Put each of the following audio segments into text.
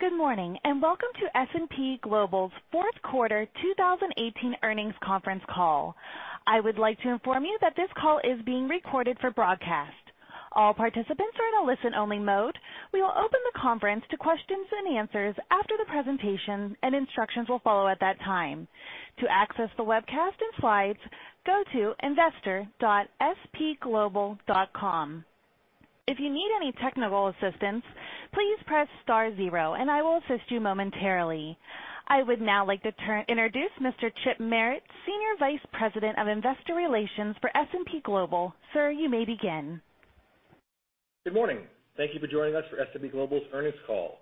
Good morning. Welcome to S&P Global's fourth quarter 2018 earnings conference call. I would like to inform you that this call is being recorded for broadcast. All participants are in a listen-only mode. We will open the conference to questions and answers after the presentation. Instructions will follow at that time. To access the webcast and slides, go to investor.spglobal.com. If you need any technical assistance, please press star zero. I will assist you momentarily. I would now like to introduce Mr. Chip Merritt, Senior Vice President of Investor Relations for S&P Global. Sir, you may begin. Good morning. Thank you for joining us for S&P Global's earnings call.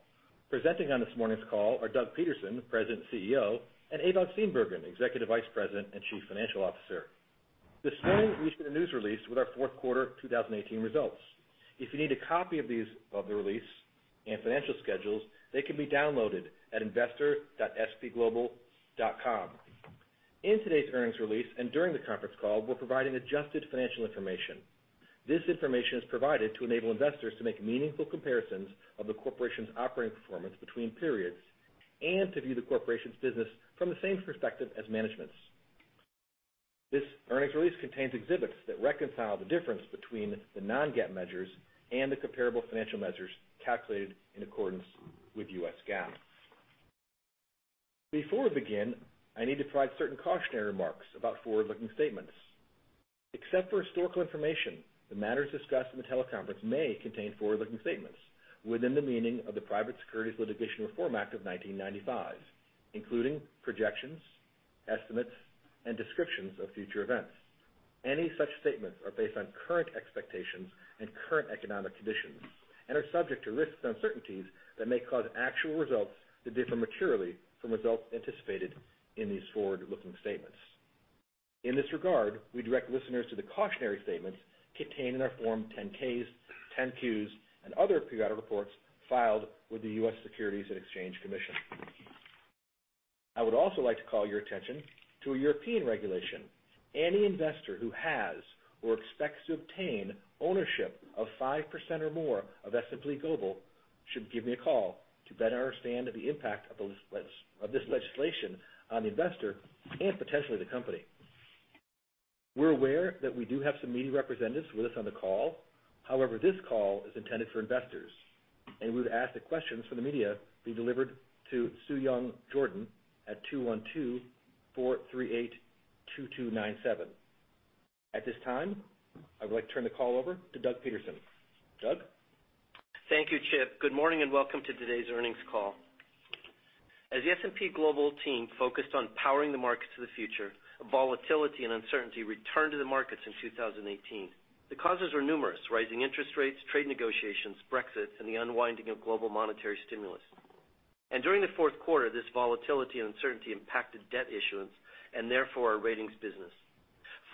Presenting on this morning's call are Doug Peterson, President and CEO, and Ewout Steenbergen, Executive Vice President and Chief Financial Officer. This morning, we issued a news release with our fourth quarter 2018 results. If you need a copy of the release and financial schedules, they can be downloaded at investor.spglobal.com. In today's earnings release and during the conference call, we are providing adjusted financial information. This information is provided to enable investors to make meaningful comparisons of the corporation's operating performance between periods, and to view the corporation's business from the same perspective as management's. This earnings release contains exhibits that reconcile the difference between the non-GAAP measures and the comparable financial measures calculated in accordance with U.S. GAAP. Before we begin, I need to provide certain cautionary remarks about forward-looking statements. Except for historical information, the matters discussed in the teleconference may contain forward-looking statements within the meaning of the Private Securities Litigation Reform Act of 1995, including projections, estimates, and descriptions of future events. Any such statements are based on current expectations and current economic conditions and are subject to risks and uncertainties that may cause actual results to differ materially from results anticipated in these forward-looking statements. In this regard, we direct listeners to the cautionary statements contained in our Form 10-Ks, 10-Qs and other periodic reports filed with the U.S. Securities and Exchange Commission. I would also like to call your attention to a European regulation. Any investor who has or expects to obtain ownership of 5% or more of S&P Global should give me a call to better understand the impact of this legislation on the investor and potentially the company. We are aware that we do have some media representatives with us on the call. However, this call is intended for investors, and we would ask that questions from the media be delivered to Suyong Jordan at 212-438-2297. At this time, I would like to turn the call over to Doug Peterson. Doug? Thank you, Chip. Good morning and welcome to today's earnings call. As the S&P Global team focused on powering the markets of the future, volatility and uncertainty returned to the markets in 2018. The causes were numerous, rising interest rates, trade negotiations, Brexit, and the unwinding of global monetary stimulus. During the fourth quarter, this volatility and uncertainty impacted debt issuance and therefore our Ratings business.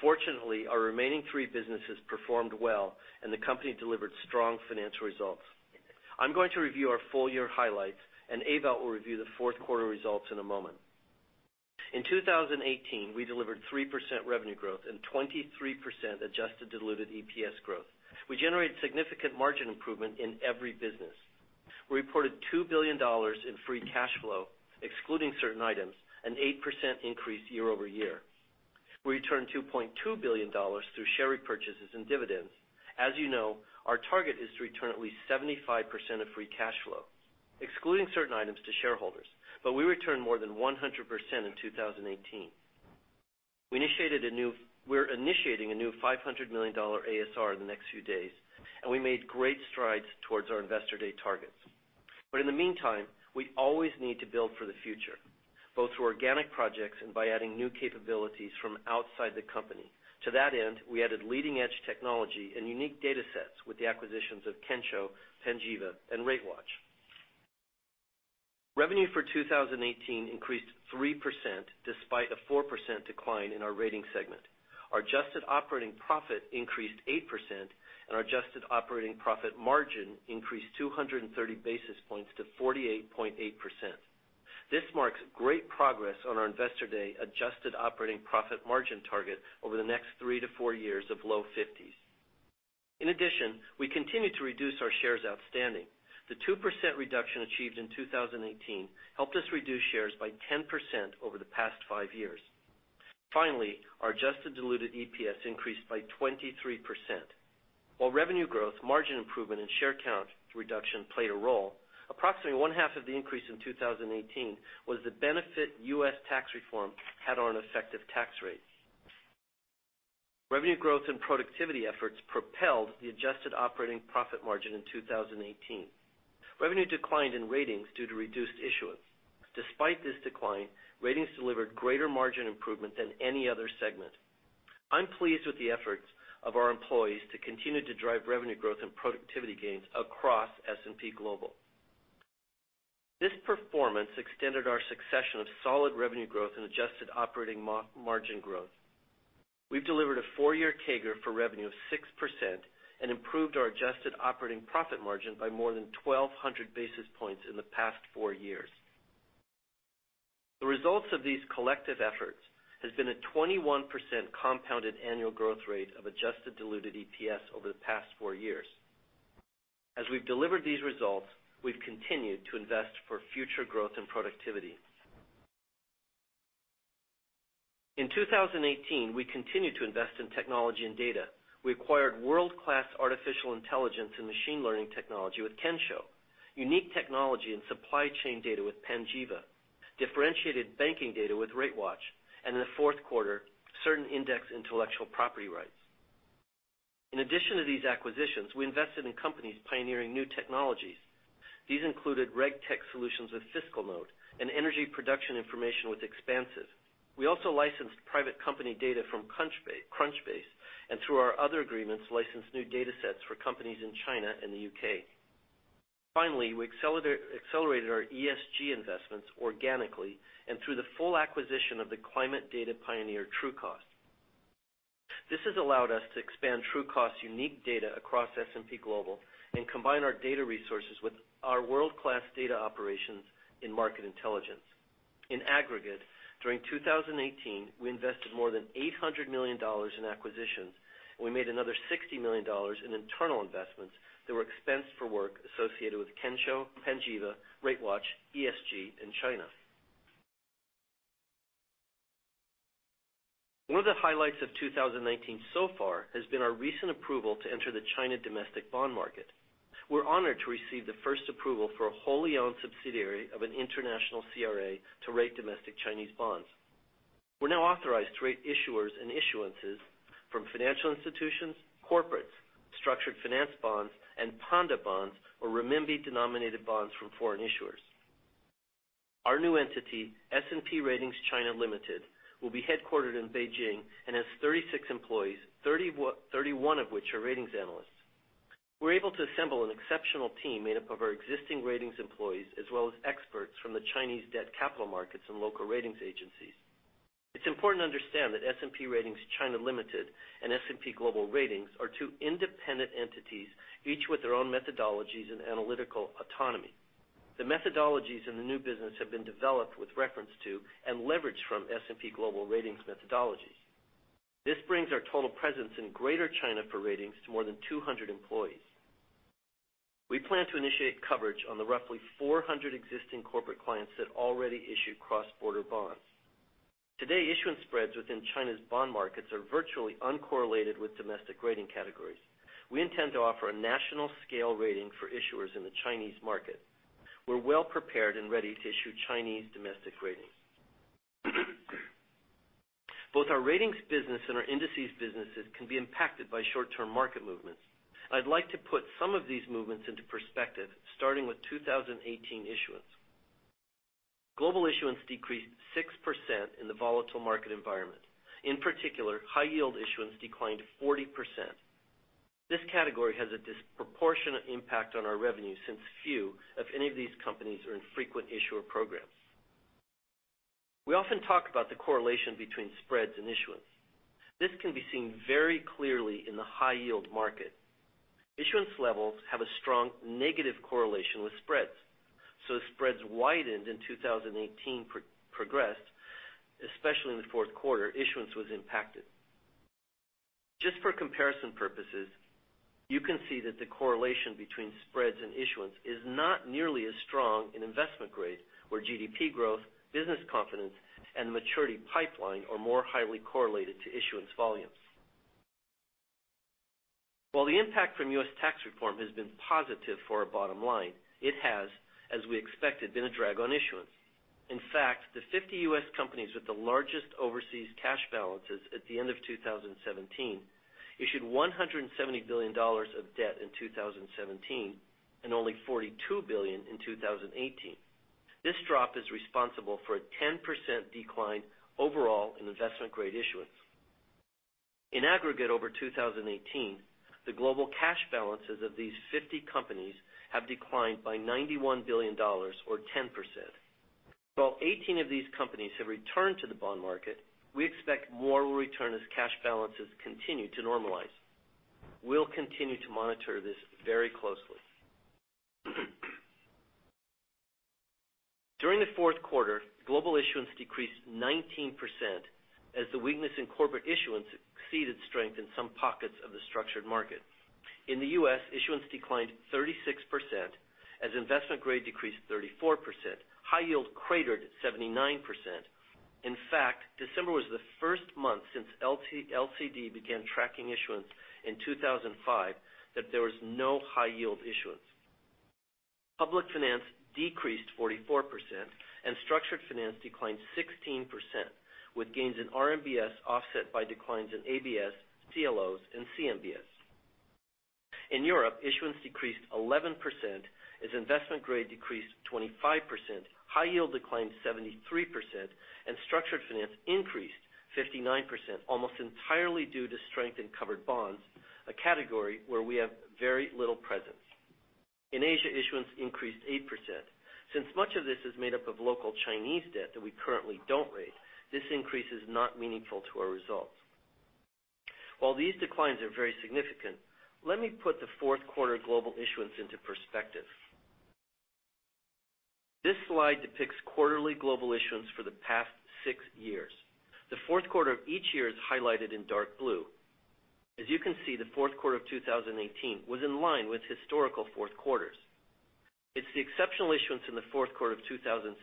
Fortunately, our remaining three businesses performed well and the company delivered strong financial results. I am going to review our full year highlights, and Ewout will review the fourth quarter results in a moment. In 2018, we delivered 3% revenue growth and 23% adjusted diluted EPS growth. We generated significant margin improvement in every business. We reported $2 billion in free cash flow, excluding certain items, an 8% increase year-over-year. We returned $2.2 billion through share repurchases and dividends. As you know, our target is to return at least 75% of free cash flow, excluding certain items to shareholders, but we returned more than 100% in 2018. We are initiating a new $500 million ASR in the next few days, and we made great strides towards our Investor Day targets. But in the meantime, we always need to build for the future, both through organic projects and by adding new capabilities from outside the company. To that end, we added leading edge technology and unique data sets with the acquisitions of Kensho, Panjiva, and RateWatch. Revenue for 2018 increased 3%, despite a 4% decline in our Ratings segment. Our adjusted operating profit increased 8%, and our adjusted operating profit margin increased 230 basis points to 48.8%. This marks great progress on our Investor Day adjusted operating profit margin target over the next three to four years of low 50s. In addition, we continue to reduce our shares outstanding. The 2% reduction achieved in 2018 helped us reduce shares by 10% over the past five years. Finally, our adjusted diluted EPS increased by 23%. While revenue growth, margin improvement, and share count reduction played a role, approximately one half of the increase in 2018 was the benefit U.S. tax reform had on our effective tax rate. Revenue growth and productivity efforts propelled the adjusted operating profit margin in 2018. Revenue declined in Ratings due to reduced issuance. Despite this decline, Ratings delivered greater margin improvement than any other segment. I am pleased with the efforts of our employees to continue to drive revenue growth and productivity gains across S&P Global. This performance extended our succession of solid revenue growth and adjusted operating margin growth. We have delivered a four-year CAGR for revenue of 6% and improved our adjusted operating profit margin by more than 1,200 basis points in the past four years. The results of these collective efforts has been a 21% compounded annual growth rate of adjusted diluted EPS over the past four years. As we have delivered these results, we have continued to invest for future growth and productivity. In 2018, we continued to invest in technology and data. We acquired world-class artificial intelligence and machine learning technology with Kensho, unique technology and supply chain data with Panjiva, differentiated banking data with RateWatch, and in the fourth quarter, certain index intellectual property rights. In addition to these acquisitions, we invested in companies pioneering new technologies. These included RegTech solutions with FiscalNote and energy production information with Xpansiv. We also licensed private company data from Crunchbase, and through our other agreements, licensed new data sets for companies in China and the U.K. Finally, we accelerated our ESG investments organically and through the full acquisition of the climate data pioneer, Trucost. This has allowed us to expand Trucost's unique data across S&P Global and combine our data resources with our world-class data operations in Market Intelligence. In aggregate, during 2018, we invested more than $800 million in acquisitions, and we made another $60 million in internal investments that were expensed for work associated with Kensho, Panjiva, RateWatch, ESG, and China. One of the highlights of 2019 so far has been our recent approval to enter the China domestic bond market. We're honored to receive the first approval for a wholly owned subsidiary of an international CRA to rate domestic Chinese bonds. We're now authorized to rate issuers and issuances from financial institutions, corporates, structured finance bonds, and panda bonds, or renminbi-denominated bonds from foreign issuers. Our new entity, S&P Ratings China Limited, will be headquartered in Beijing and has 36 employees, 31 of which are ratings analysts. We're able to assemble an exceptional team made up of our existing ratings employees, as well as experts from the Chinese debt capital markets and local ratings agencies. It's important to understand that S&P Ratings China Limited and S&P Global Ratings are two independent entities, each with their own methodologies and analytical autonomy. The methodologies in the new business have been developed with reference to and leverage from S&P Global Ratings methodology. This brings our total presence in Greater China for ratings to more than 200 employees. We plan to initiate coverage on the roughly 400 existing corporate clients that already issue cross-border bonds. Today, issuance spreads within China's bond markets are virtually uncorrelated with domestic rating categories. We intend to offer a national scale rating for issuers in the Chinese market. We're well prepared and ready to issue Chinese domestic ratings. Both our ratings business and our indices businesses can be impacted by short-term market movements. I'd like to put some of these movements into perspective, starting with 2018 issuance. Global issuance decreased 6% in the volatile market environment. In particular, high yield issuance declined 40%. This category has a disproportionate impact on our revenue, since few, if any of these companies, are in frequent issuer programs. We often talk about the correlation between spreads and issuance. This can be seen very clearly in the high yield market. Issuance levels have a strong negative correlation with spreads. As spreads widened and 2018 progressed, especially in the fourth quarter, issuance was impacted. Just for comparison purposes, you can see that the correlation between spreads and issuance is not nearly as strong in investment grade where GDP growth, business confidence, and maturity pipeline are more highly correlated to issuance volumes. While the impact from U.S. tax reform has been positive for our bottom line, it has, as we expected, been a drag on issuance. In fact, the 50 U.S. companies with the largest overseas cash balances at the end of 2017 issued $170 billion of debt in 2017 and only $42 billion in 2018. This drop is responsible for a 10% decline overall in investment-grade issuance. In aggregate over 2018, the global cash balances of these 50 companies have declined by $91 billion, or 10%. While 18 of these companies have returned to the bond market, we expect more will return as cash balances continue to normalize. We'll continue to monitor this very closely. During the fourth quarter, global issuance decreased 19% as the weakness in corporate issuance exceeded strength in some pockets of the structured market. In the U.S., issuance declined 36%, as investment grade decreased 34%. High yield cratered at 79%. In fact, December was the first month since LCD began tracking issuance in 2005 that there was no high yield issuance. Public finance decreased 44%, and structured finance declined 16%, with gains in RMBS offset by declines in ABS, CLOs, and CMBS. In Europe, issuance decreased 11% as investment grade decreased 25%, high yield declined 73%, and structured finance increased 59%, almost entirely due to strength in covered bonds, a category where we have very little presence. In Asia, issuance increased 8%. Since much of this is made up of local Chinese debt that we currently don't rate, this increase is not meaningful to our results. While these declines are very significant, let me put the fourth quarter global issuance into perspective. This slide depicts quarterly global issuance for the past 6 years. The fourth quarter of each year is highlighted in dark blue. As you can see, the fourth quarter of 2018 was in line with historical fourth quarters. It's the exceptional issuance in the fourth quarter of 2017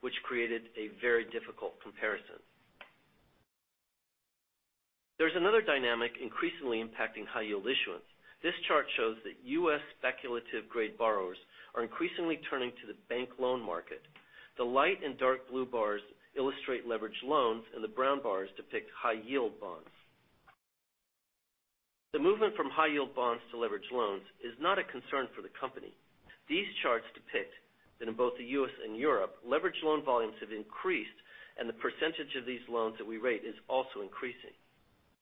which created a very difficult comparison. There's another dynamic increasingly impacting high yield issuance. This chart shows that U.S. speculative grade borrowers are increasingly turning to the bank loan market. The light and dark blue bars illustrate leverage loans, and the brown bars depict high yield bonds. The movement from high yield bonds to leverage loans is not a concern for the company. These charts depict that in both the U.S. and Europe, leverage loan volumes have increased, and the percentage of these loans that we rate is also increasing.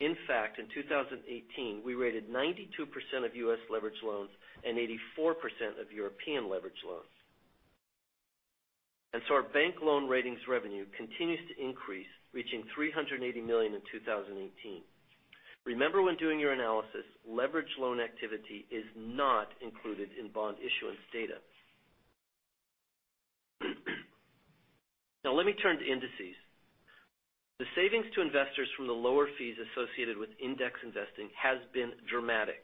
In fact, in 2018, we rated 92% of U.S. leverage loans and 84% of European leverage loans. Our bank loan ratings revenue continues to increase, reaching $380 million in 2018. Remember when doing your analysis, leverage loan activity is not included in bond issuance data. Now let me turn to indices. The savings to investors from the lower fees associated with index investing has been dramatic.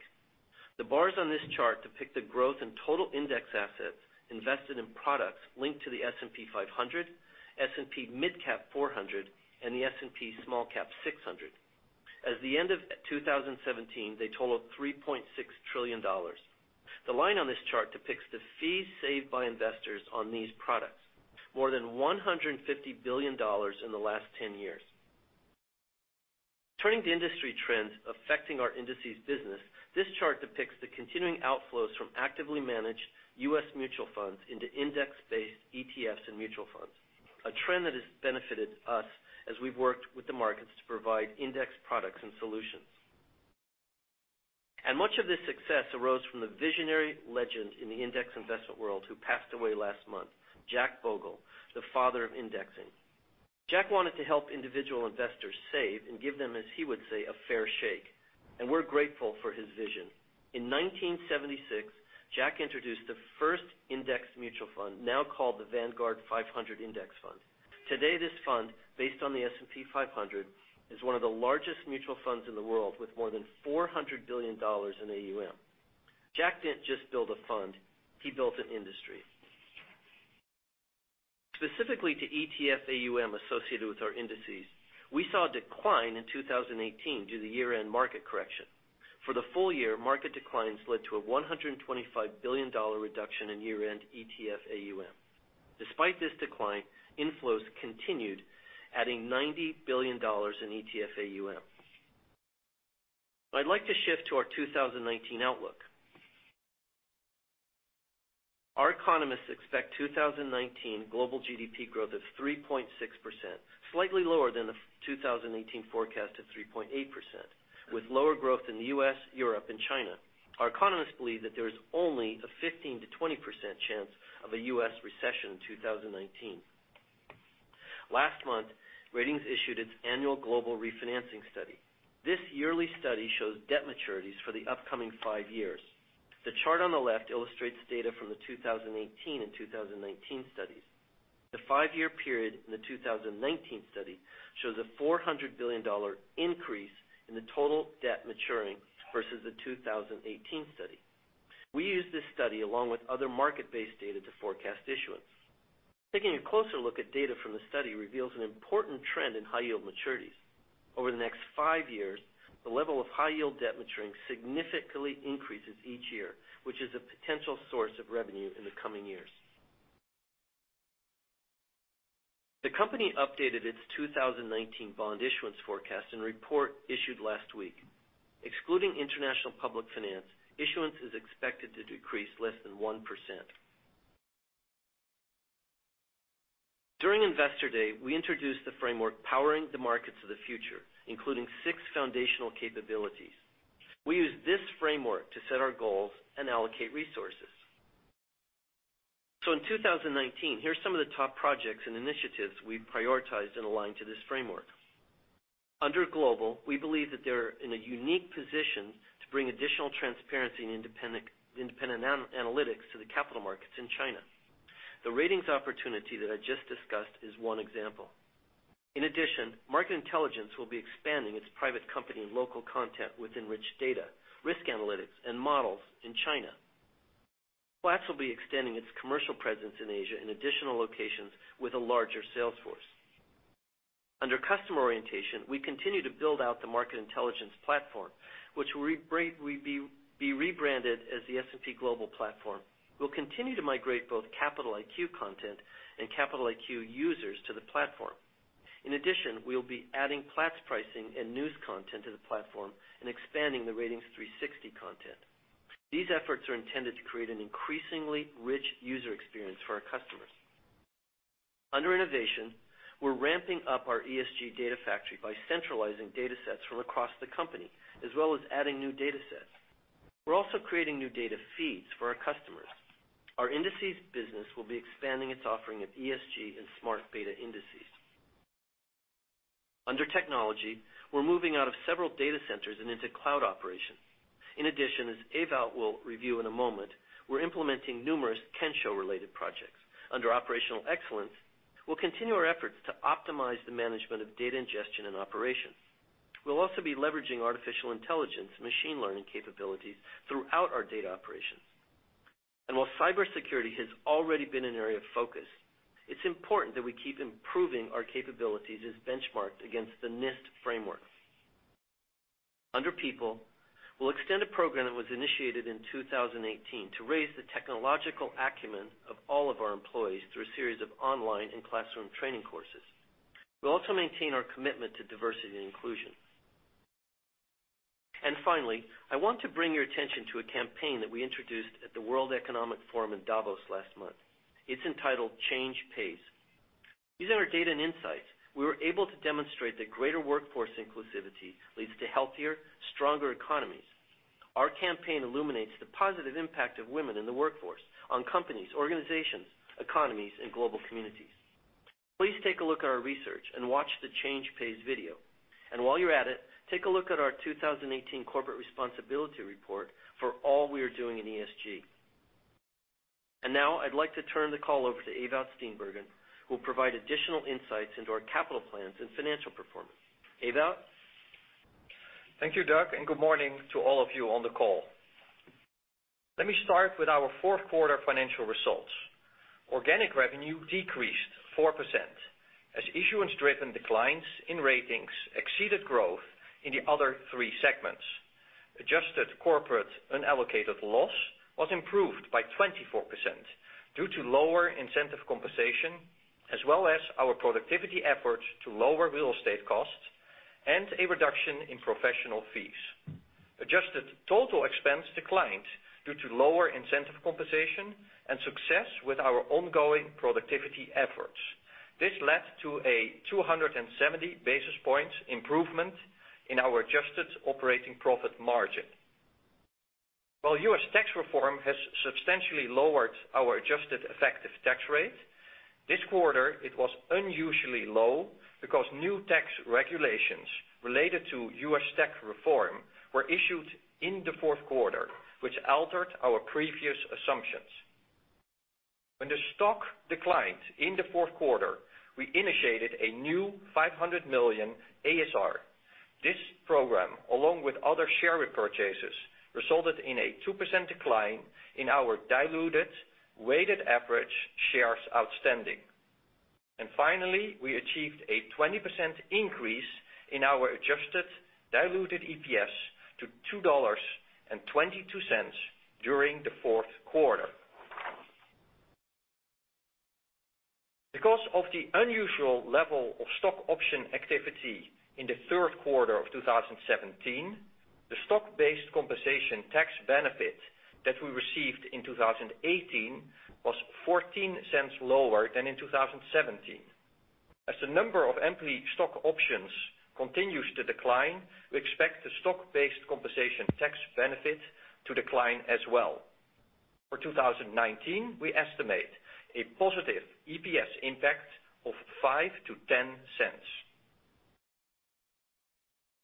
The bars on this chart depict the growth in total index assets invested in products linked to the S&P 500, S&P MidCap 400, and the S&P SmallCap 600. At the end of 2017, they totaled $3.6 trillion. The line on this chart depicts the fees saved by investors on these products, more than $150 billion in the last 10 years. Turning to industry trends affecting our indices business, this chart depicts the continuing outflows from actively managed U.S. mutual funds into index-based ETFs and mutual funds. A trend that has benefited us as we've worked with the markets to provide index products and solutions. Much of this success arose from the visionary legend in the index investment world who passed away last month, Jack Bogle, the father of indexing. Jack wanted to help individual investors save and give them, as he would say, a fair shake, and we're grateful for his vision. In 1976, Jack introduced the first index mutual fund, now called the Vanguard 500 Index Fund. Today, this fund, based on the S&P 500, is one of the largest mutual funds in the world, with more than $400 billion in AUM. Jack didn't just build a fund, he built an industry. Specifically to ETF AUM associated with our indices, we saw a decline in 2018 due to year-end market correction. For the full year, market declines led to a $125 billion reduction in year-end ETF AUM. Despite this decline, inflows continued, adding $90 billion in ETF AUM. I'd like to shift to our 2019 outlook. Our economists expect 2019 global GDP growth of 3.6%, slightly lower than the 2018 forecast of 3.8%, with lower growth in the U.S., Europe, and China. Our economists believe that there is only a 15%-20% chance of a U.S. recession in 2019. Last month, Ratings issued its annual global refinancing study. This yearly study shows debt maturities for the upcoming five years. The chart on the left illustrates data from the 2018 and 2019 studies. The five-year period in the 2019 study shows a $400 billion increase in the total debt maturing versus the 2018 study. We use this study along with other market-based data to forecast issuance. Taking a closer look at data from the study reveals an important trend in high yield maturities. Over the next five years, the level of high yield debt maturing significantly increases each year, which is a potential source of revenue in the coming years. The company updated its 2019 bond issuance forecast in a report issued last week. Excluding international public finance, issuance is expected to decrease less than 1%. During Investor Day, we introduced the framework powering the markets of the future, including six foundational capabilities. We use this framework to set our goals and allocate resources. In 2019, here are some of the top projects and initiatives we've prioritized and aligned to this framework. Under global, we believe that they're in a unique position to bring additional transparency and independent analytics to the capital markets in China. The ratings opportunity that I just discussed is one example. In addition, Market Intelligence will be expanding its private company and local content with enriched data, risk analytics, and models in China. Platts will be extending its commercial presence in Asia in additional locations with a larger sales force. Under customer orientation, we continue to build out the Market Intelligence platform, which will be rebranded as the S&P Global platform. We'll continue to migrate both Capital IQ content and Capital IQ users to the platform. In addition, we'll be adding Platts pricing and news content to the platform and expanding the Ratings360 content. These efforts are intended to create an increasingly rich user experience for our customers. Under innovation, we're ramping up our ESG data factory by centralizing datasets from across the company, as well as adding new datasets. We're also creating new data feeds for our customers. Our indices business will be expanding its offering of ESG and smart beta indices. Under technology, we're moving out of several data centers and into cloud operations. In addition, as Ewout will review in a moment, we're implementing numerous Kensho-related projects. Under operational excellence, we'll continue our efforts to optimize the management of data ingestion and operations. We'll also be leveraging artificial intelligence and machine learning capabilities throughout our data operations. While cybersecurity has already been an area of focus, it's important that we keep improving our capabilities as benchmarked against the NIST framework. Under people, we'll extend a program that was initiated in 2018 to raise the technological acumen of all of our employees through a series of online and classroom training courses. We'll also maintain our commitment to diversity and inclusion. Finally, I want to bring your attention to a campaign that we introduced at the World Economic Forum in Davos last month. It's entitled Change Pays. Using our data and insights, we were able to demonstrate that greater workforce inclusivity leads to healthier, stronger economies. Our campaign illuminates the positive impact of women in the workforce on companies, organizations, economies, and global communities. Please take a look at our research and watch the Change Pays video. While you're at it, take a look at our 2018 corporate responsibility report for all we are doing in ESG. Now I'd like to turn the call over to Ewout Steenbergen, who will provide additional insights into our capital plans and financial performance. Ewout? Thank you, Doug, and good morning to all of you on the call. Let me start with our fourth quarter financial results. Organic revenue decreased 4% as issuance-driven declines in ratings exceeded growth in the other three segments. Adjusted corporate unallocated loss was improved by 24% due to lower incentive compensation, as well as our productivity efforts to lower real estate costs and a reduction in professional fees. Adjusted total expense declined due to lower incentive compensation and success with our ongoing productivity efforts. This led to a 270 basis points improvement in our adjusted operating profit margin. While U.S. tax reform has substantially lowered our adjusted effective tax rate, this quarter it was unusually low because new tax regulations related to U.S. tax reform were issued in the fourth quarter, which altered our previous assumptions. When the stock declined in the fourth quarter, we initiated a new $500 million ASR. This program, along with other share repurchases, resulted in a 2% decline in our diluted weighted average shares outstanding. Finally, we achieved a 20% increase in our adjusted diluted EPS to $2.22 during the fourth quarter. Because of the unusual level of stock option activity in the third quarter of 2017, the stock-based compensation tax benefit that we received in 2018 was $0.14 lower than in 2017. As the number of employee stock options continues to decline, we expect the stock-based compensation tax benefit to decline as well. For 2019, we estimate a positive EPS impact of $0.05-$0.10.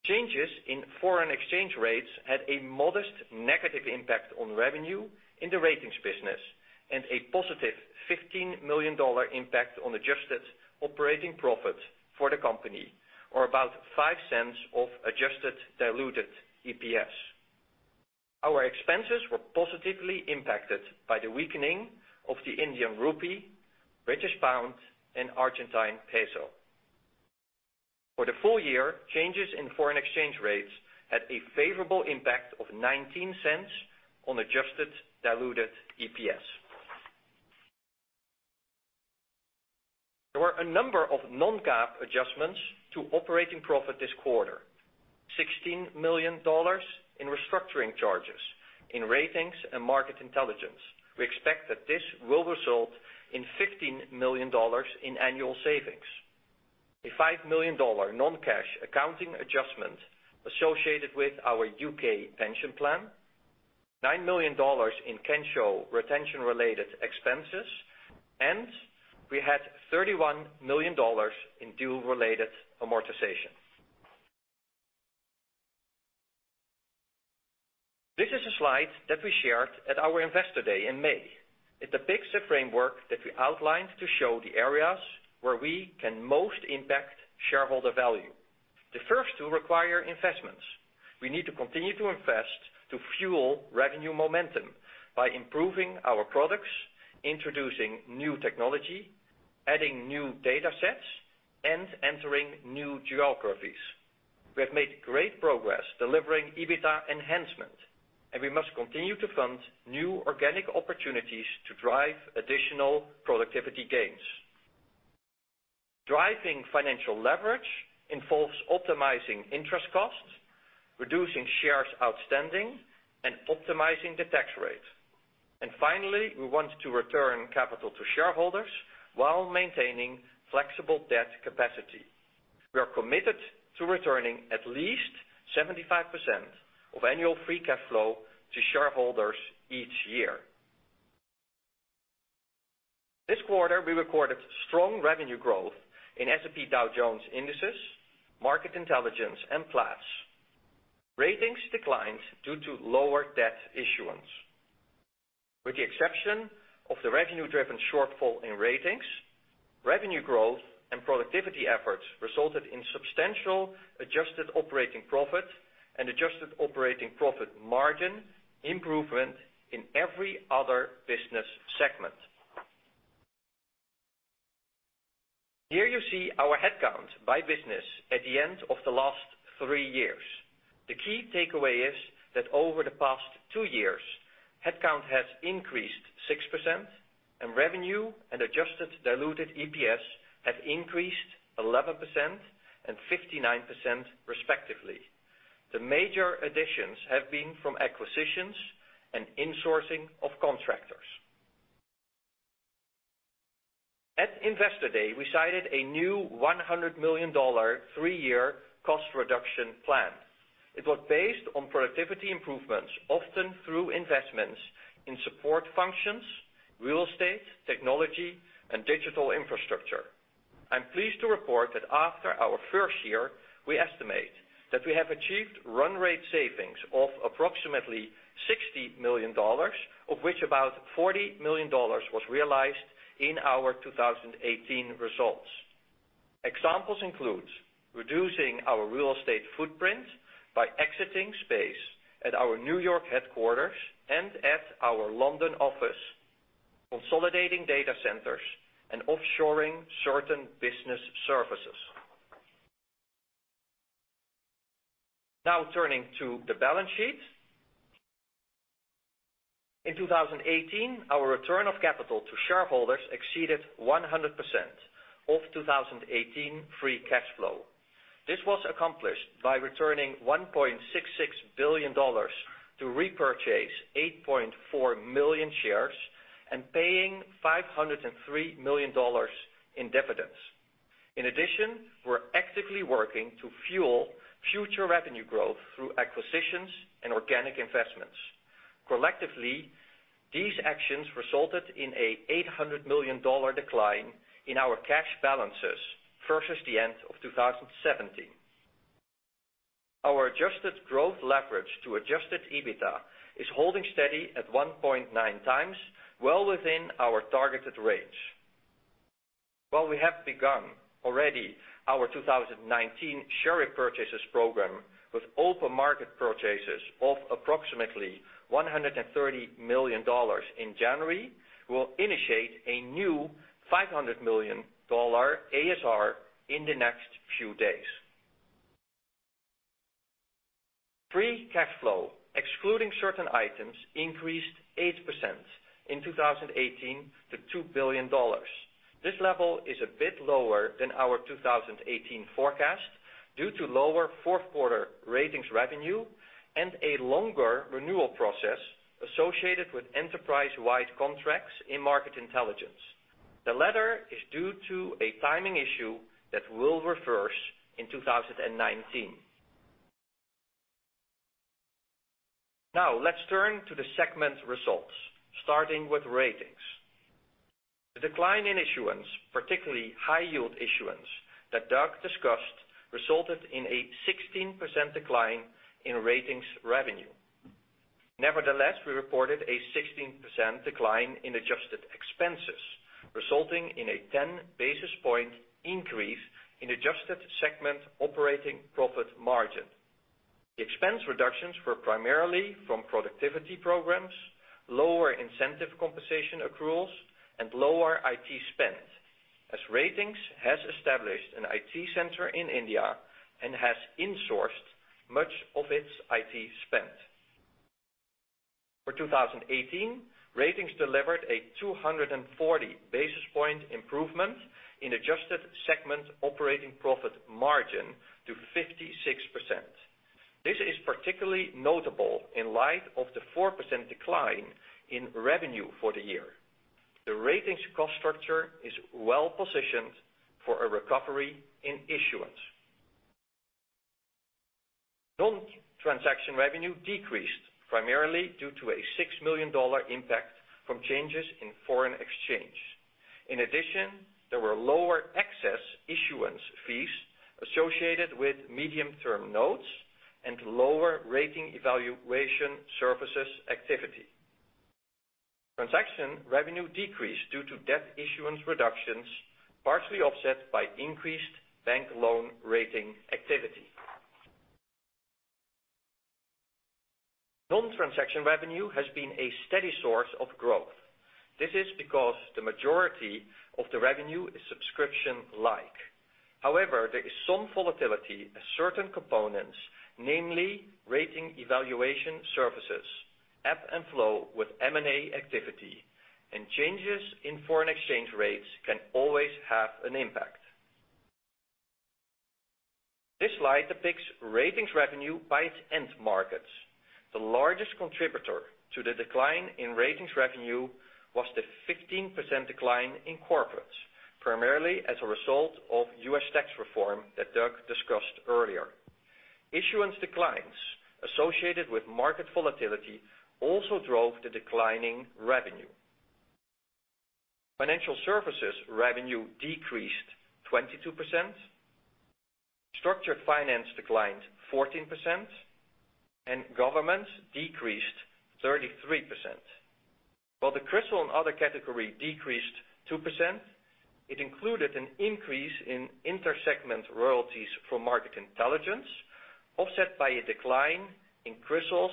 Changes in foreign exchange rates had a modest negative impact on revenue in the Ratings business and a positive $15 million impact on adjusted operating profit for the company, or about $0.05 of adjusted diluted EPS. Our expenses were positively impacted by the weakening of the Indian rupee, British pound, and Argentine peso. For the full year, changes in foreign exchange rates had a favorable impact of $0.19 on adjusted diluted EPS. There were a number of non-GAAP adjustments to operating profit this quarter. $16 million in restructuring charges in Ratings and Market Intelligence. We expect that this will result in $15 million in annual savings. A $5 million non-cash accounting adjustment associated with our U.K. pension plan, $9 million in Kensho retention-related expenses. We had $31 million in deal-related amortization. This is a slide that we shared at our Investor Day in May. It depicts the framework that we outlined to show the areas where we can most impact shareholder value. The first two require investments. We need to continue to invest to fuel revenue momentum by improving our products, introducing new technology, adding new data sets, and entering new geographies. We have made great progress delivering EBITA enhancement. We must continue to fund new organic opportunities to drive additional productivity gains. Driving financial leverage involves optimizing interest costs, reducing shares outstanding, and optimizing the tax rate. Finally, we want to return capital to shareholders while maintaining flexible debt capacity. We are committed to returning at least 75% of annual free cash flow to shareholders each year. This quarter, we recorded strong revenue growth in S&P Dow Jones Indices, Market Intelligence, and Platts. Ratings declined due to lower debt issuance. With the exception of the revenue-driven shortfall in Ratings, revenue growth and productivity efforts resulted in substantial adjusted operating profit and adjusted operating profit margin improvement in every other business segment. Here you see our headcount by business at the end of the last three years. The key takeaway is that over the past two years, headcount has increased 6%, and revenue and adjusted diluted EPS have increased 11% and 59%, respectively. The major additions have been from acquisitions and insourcing of contractors. At Investor Day, we cited a new $100 million three-year cost reduction plan. It was based on productivity improvements, often through investments in support functions, real estate, technology, and digital infrastructure. I'm pleased to report that after our first year, we estimate that we have achieved run rate savings of approximately $60 million, of which about $40 million was realized in our 2018 results. Examples include reducing our real estate footprint by exiting space at our New York headquarters and at our London office, consolidating data centers, and offshoring certain business services. Now, turning to the balance sheet. In 2018, our return of capital to shareholders exceeded 100% of 2018 free cash flow. This was accomplished by returning $1.66 billion to repurchase 8.4 million shares and paying $503 million in dividends. In addition, we're actively working to fuel future revenue growth through acquisitions and organic investments. Collectively, these actions resulted in an $800 million decline in our cash balances versus the end of 2017. Our adjusted growth leverage to adjusted EBITA is holding steady at 1.9 times, well within our targeted range. While we have begun already our 2019 share repurchases program with open market purchases of approximately $130 million in January, we'll initiate a new $500 million ASR in the next few days. Free cash flow, excluding certain items, increased 8% in 2018 to $2 billion. This level is a bit lower than our 2018 forecast due to lower fourth quarter S&P Global Ratings revenue and a longer renewal process associated with enterprise-wide contracts in S&P Global Market Intelligence. The latter is due to a timing issue that will reverse in 2019. Let's turn to the segment results, starting with S&P Global Ratings. The decline in issuance, particularly high-yield issuance that Doug discussed, resulted in a 16% decline in S&P Global Ratings revenue. We reported a 16% decline in adjusted expenses, resulting in a 10-basis point increase in adjusted segment operating profit margin. The expense reductions were primarily from productivity programs, lower incentive compensation accruals, and lower IT spend, as S&P Global Ratings has established an IT center in India and has insourced much of its IT spend. For 2018, S&P Global Ratings delivered a 240-basis point improvement in adjusted segment operating profit margin to 56%. This is particularly notable in light of the 4% decline in revenue for the year. The S&P Global Ratings cost structure is well-positioned for a recovery in issuance. Non-transaction revenue decreased, primarily due to a $6 million impact from changes in foreign exchange. There were lower excess issuance fees associated with medium-term notes and lower rating evaluation services activity. Transaction revenue decreased due to debt issuance reductions, partially offset by increased bank loan rating activity. Non-transaction revenue has been a steady source of growth. This is because the majority of the revenue is subscription-like. There is some volatility as certain components, namely rating evaluation services, ebb and flow with M&A activity, and changes in foreign exchange rates can always have an impact. This slide depicts S&P Global Ratings revenue by its end markets. The largest contributor to the decline in S&P Global Ratings revenue was the 15% decline in corporate, primarily as a result of U.S. tax reform that Doug discussed earlier. Issuance declines associated with market volatility also drove the declining revenue. Financial services revenue decreased 22%, structured finance declined 14%, and governments decreased 33%. While the CRISIL and other category decreased 2%, it included an increase in inter-segment royalties from S&P Global Market Intelligence, offset by a decline in CRISIL's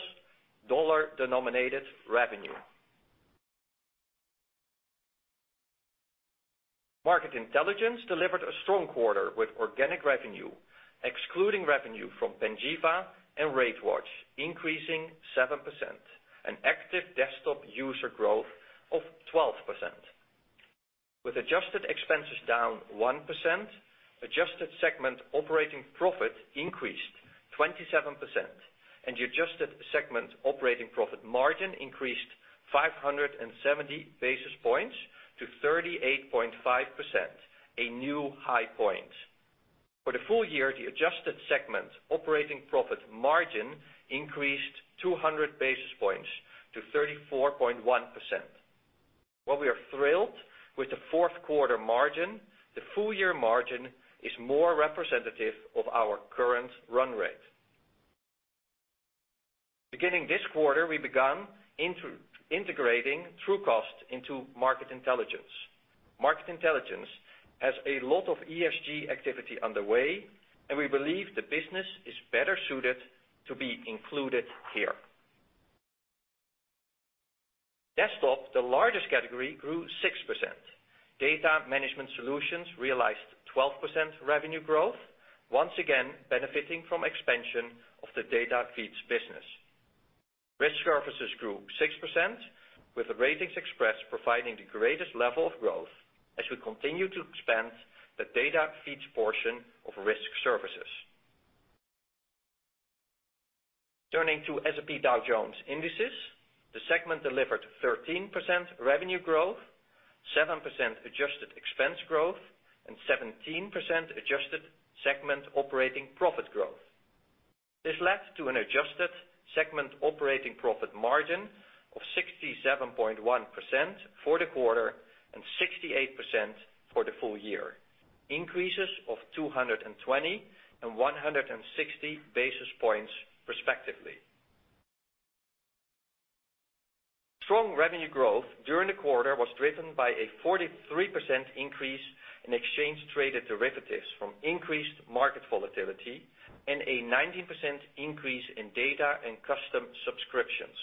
dollar-denominated revenue. S&P Global Market Intelligence delivered a strong quarter with organic revenue, excluding revenue from Panjiva and RateWatch increasing 7%, an active desktop user growth of 12%. With adjusted expenses down 1%, adjusted segment operating profit increased 27%, and the adjusted segment operating profit margin increased 570 basis points to 38.5%, a new high point. For the full year, the adjusted segment operating profit margin increased 200 basis points to 34.1%. We are thrilled with the fourth quarter margin, the full-year margin is more representative of our current run rate. Beginning this quarter, we've begun integrating Trucost into S&P Global Market Intelligence. S&P Global Market Intelligence has a lot of ESG activity underway, and we believe the business is better suited to be included here. Desktop, the largest category, grew 6%. Data management solutions realized 12% revenue growth, once again benefiting from expansion of the data feeds business. Risk services grew 6%, with RatingsXpress providing the greatest level of growth as we continue to expand the data feeds portion of risk services. Turning to S&P Dow Jones Indices, the segment delivered 13% revenue growth, 7% adjusted expense growth, and 17% adjusted segment operating profit growth. This led to an adjusted segment operating profit margin of 67.1% for the quarter and 68% for the full year, increases of 220 and 160 basis points respectively. Strong revenue growth during the quarter was driven by a 43% increase in exchange-traded derivatives from increased market volatility and a 19% increase in data and custom subscriptions.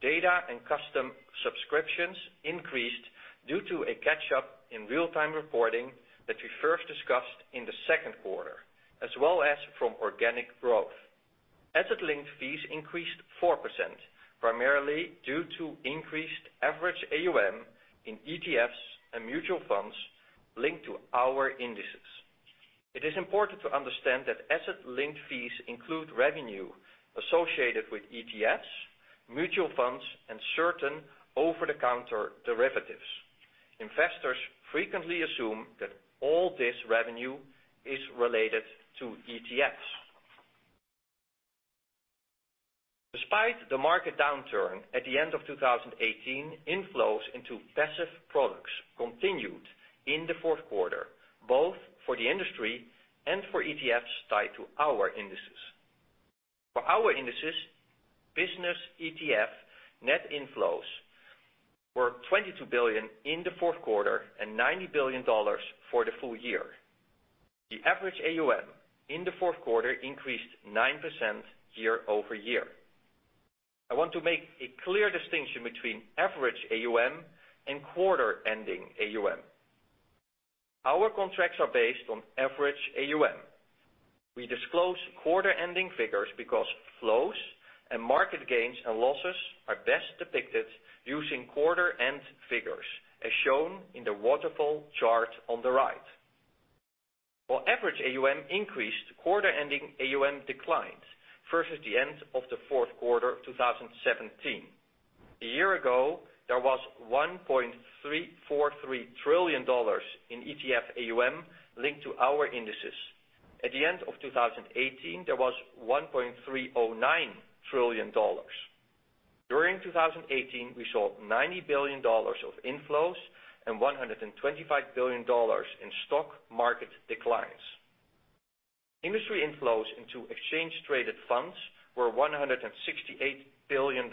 Data and custom subscriptions increased due to a catch-up in real-time reporting that we first discussed in the second quarter, as well as from organic growth. Asset-linked fees increased 4%, primarily due to increased average AUM in ETFs and mutual funds linked to our indices. It is important to understand that asset-linked fees include revenue associated with ETFs, mutual funds, and certain over-the-counter derivatives. Investors frequently assume that all this revenue is related to ETFs. Despite the market downturn at the end of 2018, inflows into passive products continued in the fourth quarter, both for the industry and for ETFs tied to our indices. For our indices, business ETF net inflows were $22 billion in the fourth quarter and $90 billion for the full year. The average AUM in the fourth quarter increased 9% year-over-year. I want to make a clear distinction between average AUM and quarter-ending AUM. Our contracts are based on average AUM. We disclose quarter-ending figures because flows and market gains and losses are best depicted using quarter-end figures, as shown in the waterfall chart on the right. While average AUM increased, quarter-ending AUM declined versus the end of the fourth quarter 2017. A year ago, there was $1.343 trillion in ETF AUM linked to our indices. At the end of 2018, there was $1.309 trillion. During 2018, we saw $90 billion of inflows and $125 billion in stock market declines. Industry inflows into exchange-traded funds were $168 billion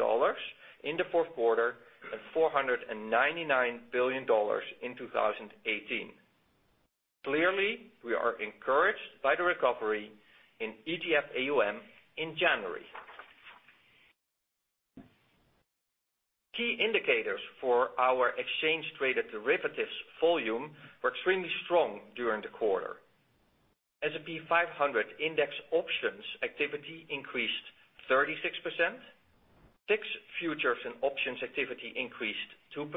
in the fourth quarter and $499 billion in 2018. Clearly, we are encouraged by the recovery in ETF AUM in January. Key indicators for our exchange-traded derivatives volume were extremely strong during the quarter. S&P 500 index options activity increased 36%. VIX futures and options activity increased 2%,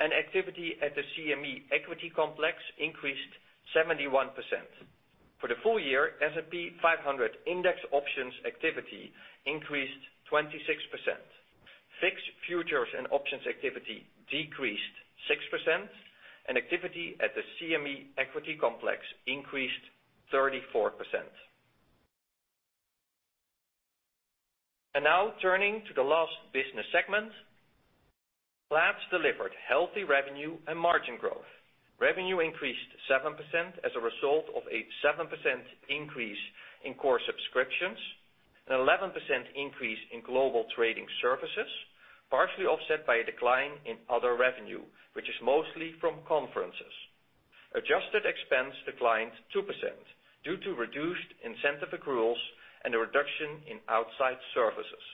and activity at the CME equity complex increased 71%. For the full year, S&P 500 index options activity increased 26%. VIX futures and options activity decreased 6%, and activity at the CME equity complex increased 34%. Now turning to the last business segment. Platts delivered healthy revenue and margin growth. Revenue increased 7% as a result of a 7% increase in core subscriptions, an 11% increase in Global Trading Services, partially offset by a decline in other revenue, which is mostly from conferences. Adjusted expense declined 2% due to reduced incentive accruals and a reduction in outside services.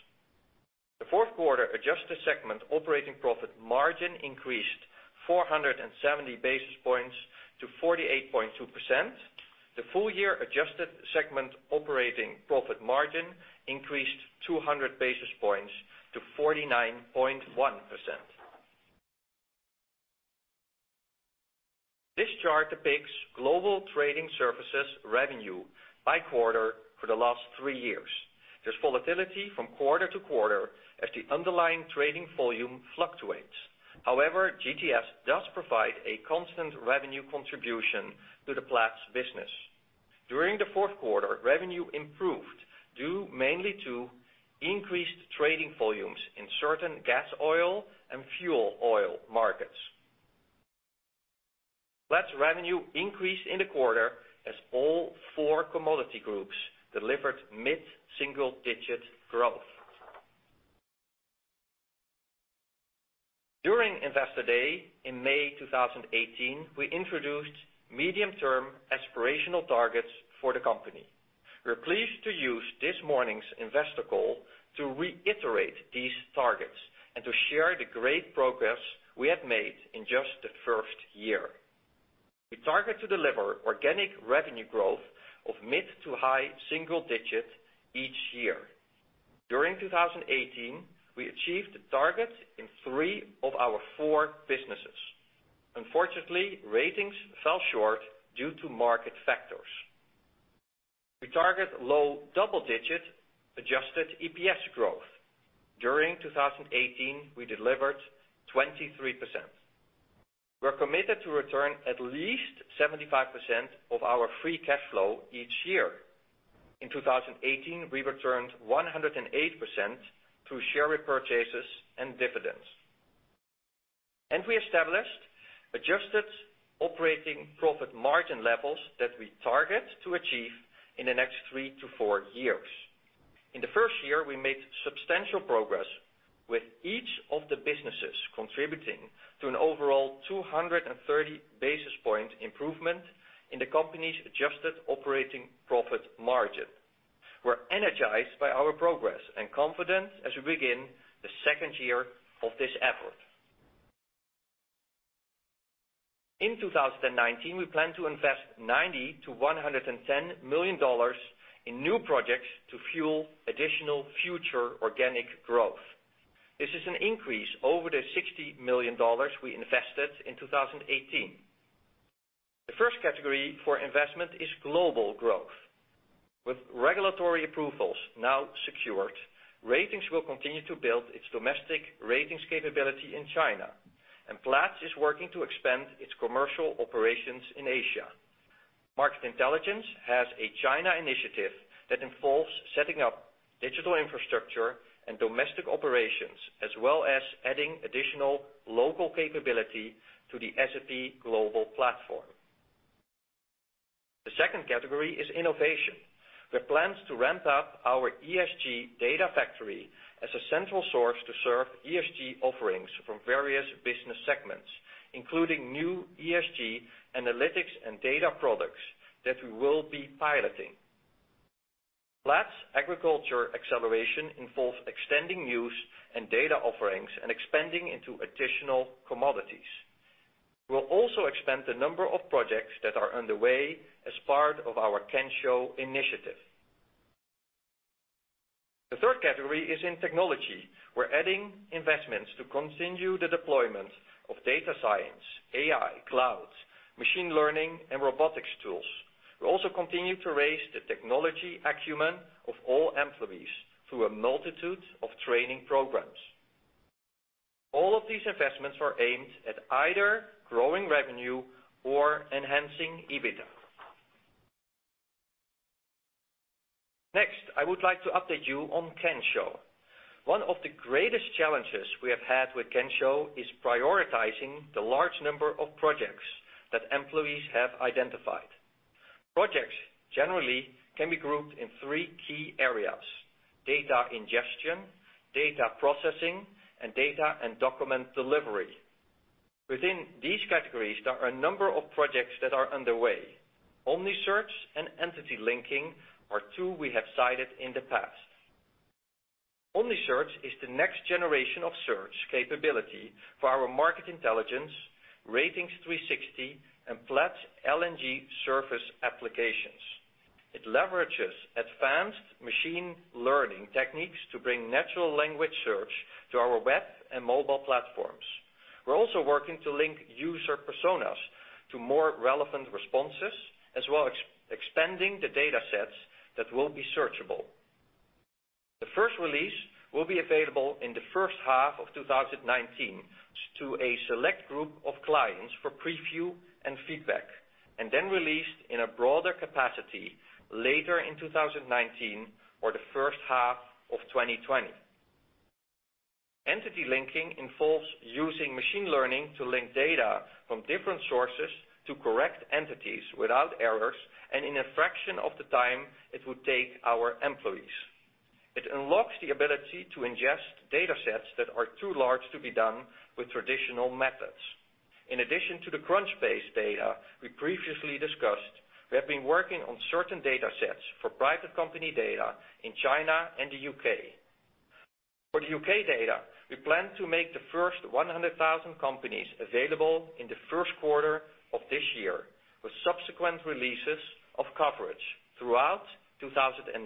The fourth quarter adjusted segment operating profit margin increased 470 basis points to 48.2%. The full year adjusted segment operating profit margin increased 200 basis points to 49.1%. This chart depicts Global Trading Services revenue by quarter for the last three years. There's volatility from quarter to quarter as the underlying trading volume fluctuates. However, GTS does provide a constant revenue contribution to the Platts business. During the fourth quarter, revenue improved due mainly to increased trading volumes in certain gas oil and fuel oil markets. Platts revenue increased in the quarter as all four commodity groups delivered mid-single digit growth. During Investor Day in May 2018, we introduced medium-term aspirational targets for the company. We're pleased to use this morning's investor call to reiterate these targets and to share the great progress we have made in just the first year. We target to deliver organic revenue growth of mid to high single-digit each year. During 2018, we achieved the targets in three of our four businesses. Unfortunately, Ratings fell short due to market factors. We target low double-digit adjusted EPS growth. During 2018, we delivered 23%. We're committed to return at least 75% of our free cash flow each year. In 2018, we returned 108% through share repurchases and dividends. We established adjusted operating profit margin levels that we target to achieve in the next three to four years. In the first year, we made substantial progress with each of the businesses contributing to an overall 230 basis point improvement in the company's adjusted operating profit margin. We're energized by our progress and confident as we begin the second year of this effort. In 2019, we plan to invest $90 million-$110 million in new projects to fuel additional future organic growth. This is an increase over the $60 million we invested in 2018. The first category for investment is global growth. With regulatory approvals now secured, Ratings will continue to build its domestic ratings capability in China, and Platts is working to expand its commercial operations in Asia. Market Intelligence has a China initiative that involves setting up digital infrastructure and domestic operations, as well as adding additional local capability to the S&P Global platform. The second category is innovation. We have plans to ramp up our ESG Data Factory as a central source to serve ESG offerings from various business segments, including new ESG analytics and data products that we will be piloting. Platts Agriculture Acceleration involves extending news and data offerings and expanding into additional commodities. We'll also expand the number of projects that are underway as part of our Kensho initiative. The third category is in technology. We're adding investments to continue the deployment of data science, AI, cloud, machine learning, and robotics tools. We'll also continue to raise the technology acumen of all employees through a multitude of training programs. All of these investments are aimed at either growing revenue or enhancing EBITDA. Next, I would like to update you on Kensho. One of the greatest challenges we have had with Kensho is prioritizing the large number of projects that employees have identified. Projects generally can be grouped in three key areas: Data ingestion, data processing, and data and document delivery. Within these categories, there are a number of projects that are underway. OmniSearch and Global Entity Linking are two we have cited in the past. OmniSearch is the next generation of search capability for our Market Intelligence, Ratings360, and Platts LNG Service applications. It leverages advanced machine learning techniques to bring natural language search to our web and mobile platforms. We're also working to link user personas to more relevant responses, as well as expanding the data sets that will be searchable. The first release will be available in the first half of 2019 to a select group of clients for preview and feedback, and then released in a broader capacity later in 2019 or the first half of 2020. Global Entity Linking involves using machine learning to link data from different sources to correct entities without errors, and in a fraction of the time it would take our employees. It unlocks the ability to ingest data sets that are too large to be done with traditional methods. In addition to the Crunchbase data we previously discussed, we have been working on certain data sets for private company data in China and the U.K. For the U.K. data, we plan to make the first 100,000 companies available in the first quarter of this year, with subsequent releases of coverage throughout 2019.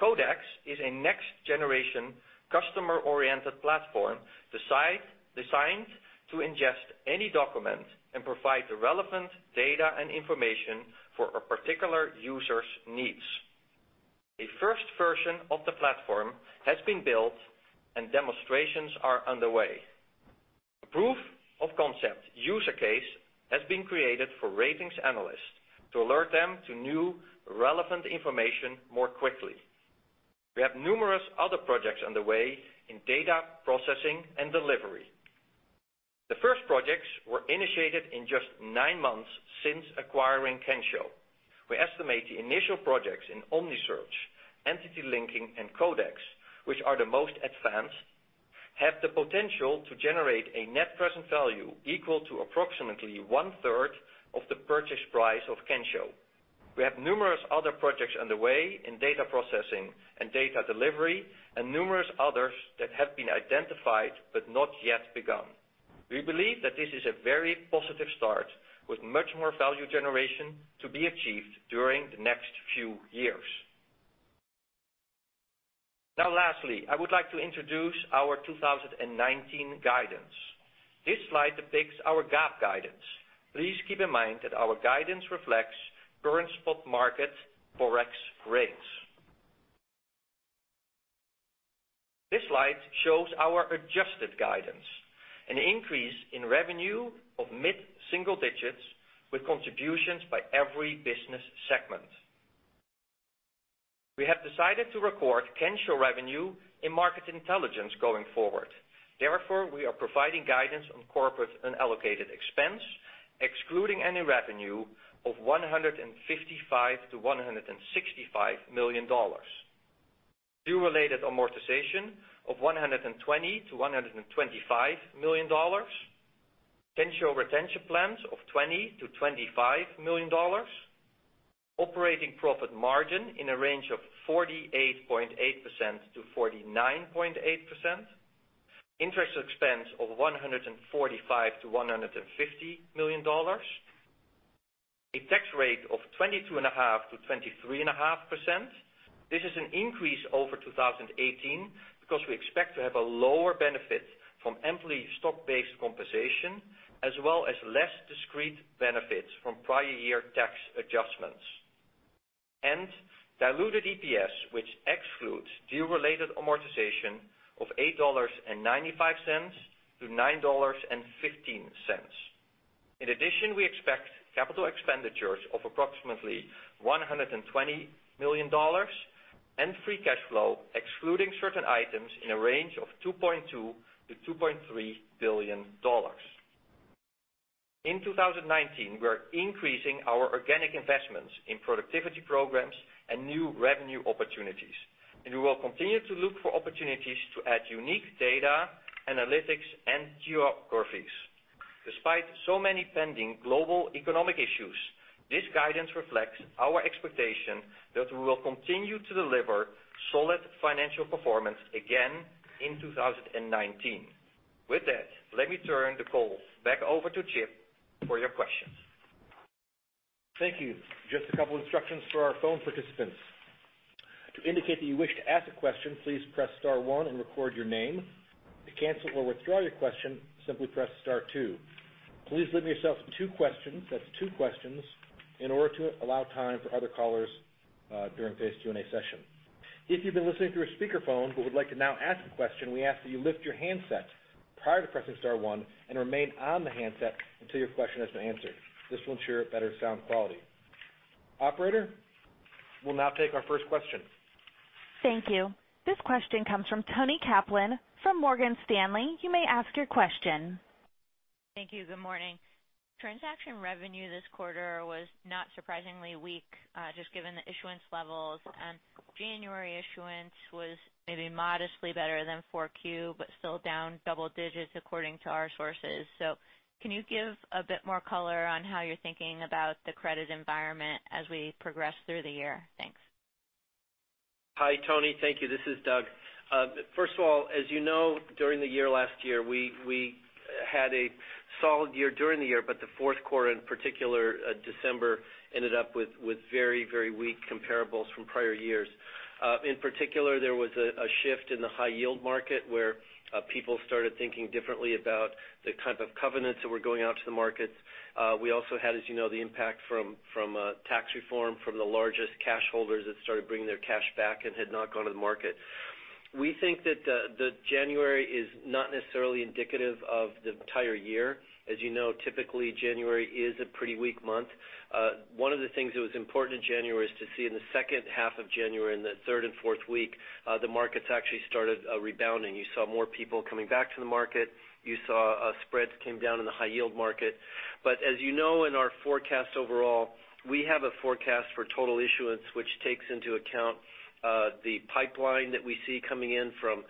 Codex is a next-generation customer-oriented platform designed to ingest any document and provide the relevant data and information for a particular user's needs. A first version of the platform has been built and demonstrations are underway. A proof-of-concept user case has been created for Ratings analysts to alert them to new relevant information more quickly. We have numerous other projects underway in data processing and delivery. The first projects were initiated in just nine months since acquiring Kensho. We estimate the initial projects in OmniSearch, Entity Linking, and Codex, which are the most advanced, have the potential to generate a net present value equal to approximately one-third of the purchase price of Kensho. We have numerous other projects underway in data processing and data delivery, and numerous others that have been identified but not yet begun. We believe that this is a very positive start with much more value generation to be achieved during the next few years. Lastly, I would like to introduce our 2019 guidance. This slide depicts our GAAP guidance. Please keep in mind that our guidance reflects current spot market Forex rates. This slide shows our adjusted guidance, an increase in revenue of mid-single digits with contributions by every business segment. We have decided to record Kensho revenue in Market Intelligence going forward. We are providing guidance on corporate unallocated expense, excluding any revenue of $155 million to $165 million. Deal-related amortization of $120 million to $125 million. Kensho retention plans of $20 million to $25 million. Operating profit margin in a range of 48.8% to 49.8%. Interest expense of $145 million to $150 million. A tax rate of 22.5% to 23.5%. This is an increase over 2018 because we expect to have a lower benefit from employee stock-based compensation, as well as less discrete benefits from prior year tax adjustments. And diluted EPS, which excludes deal-related amortization of $8.95 to $9.15. In addition, we expect capital expenditures of approximately $120 million, and free cash flow excluding certain items in a range of $2.2 billion to $2.3 billion. In 2019, we are increasing our organic investments in productivity programs and new revenue opportunities. We will continue to look for opportunities to add unique data, analytics, and geographies. Despite so many pending global economic issues, this guidance reflects our expectation that we will continue to deliver solid financial performance again in 2019. With that, let me turn the call back over to Chip for your questions. Thank you. Just a couple instructions for our phone participants. To indicate that you wish to ask a question, please press star one and record your name. To cancel or withdraw your question, simply press star two. Please limit yourself to two questions. That's two questions, in order to allow time for other callers during today's Q&A session. If you've been listening through a speakerphone but would like to now ask a question, we ask that you lift your handset prior to pressing star one and remain on the handset until your question has been answered. This will ensure better sound quality. Operator, we'll now take our first question. Thank you. This question comes from Toni Kaplan from Morgan Stanley. You may ask your question. Thank you. Good morning. Transaction revenue this quarter was not surprisingly weak, just given the issuance levels. January issuance was maybe modestly better than 4Q, but still down double digits according to our sources. Can you give a bit more color on how you're thinking about the credit environment as we progress through the year? Thanks. Hi, Toni. Thank you. This is Doug. First of all, as you know, during the year last year, we had a solid year during the year, but the fourth quarter, in particular, December, ended up with very weak comparables from prior years. In particular, there was a shift in the high yield market where people started thinking differently about the type of covenants that were going out to the markets. We also had, as you know, the impact from tax reform from the largest cash holders that started bringing their cash back and had not gone to the market. We think that January is not necessarily indicative of the entire year. As you know, typically January is a pretty weak month. One of the things that was important in January is to see in the second half of January, in the third and fourth week, the markets actually started rebounding. You saw more people coming back to the market. You saw spreads came down in the high yield market. As you know, in our forecast overall, we have a forecast for total issuance, which takes into account the pipeline that we see coming in from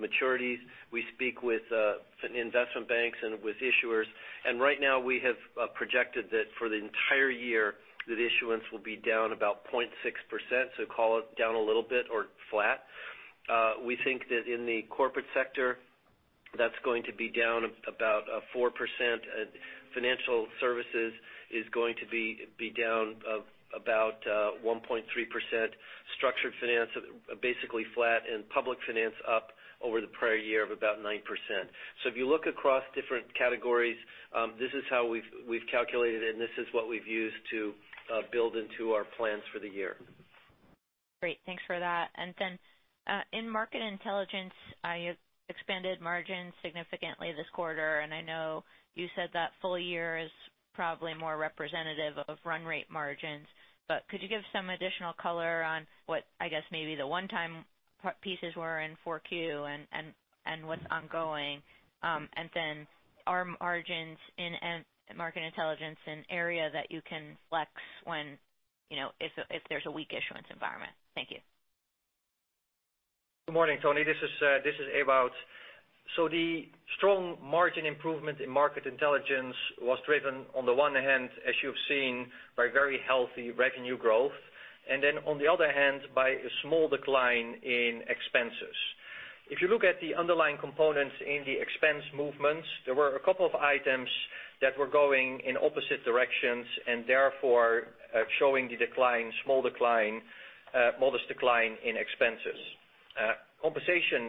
maturities. We speak with investment banks and with issuers. Right now we have projected that for the entire year, that issuance will be down about 0.6%. Call it down a little bit or flat. We think that in the corporate sector, that's going to be down about 4%. Financial services is going to be down about 1.3%. Structured finance, basically flat, and public finance up over the prior year of about 9%. If you look across different categories, this is how we've calculated it, and this is what we've used to build into our plans for the year. Great. Thanks for that. In Market Intelligence, expanded margins significantly this quarter, I know you said that full year is probably more representative of run rate margins, could you give some additional color on what I guess maybe the one-time pieces were in Q4 and what's ongoing? Are margins in Market Intelligence an area that you can flex if there's a weak issuance environment? Thank you. Good morning, Toni. This is Ewout. The strong margin improvement in Market Intelligence was driven, on the one hand, as you've seen, by very healthy revenue growth, on the other hand, by a small decline in expenses. If you look at the underlying components in the expense movements, there were a couple of items that were going in opposite directions and therefore showing the small decline, modest decline in expenses.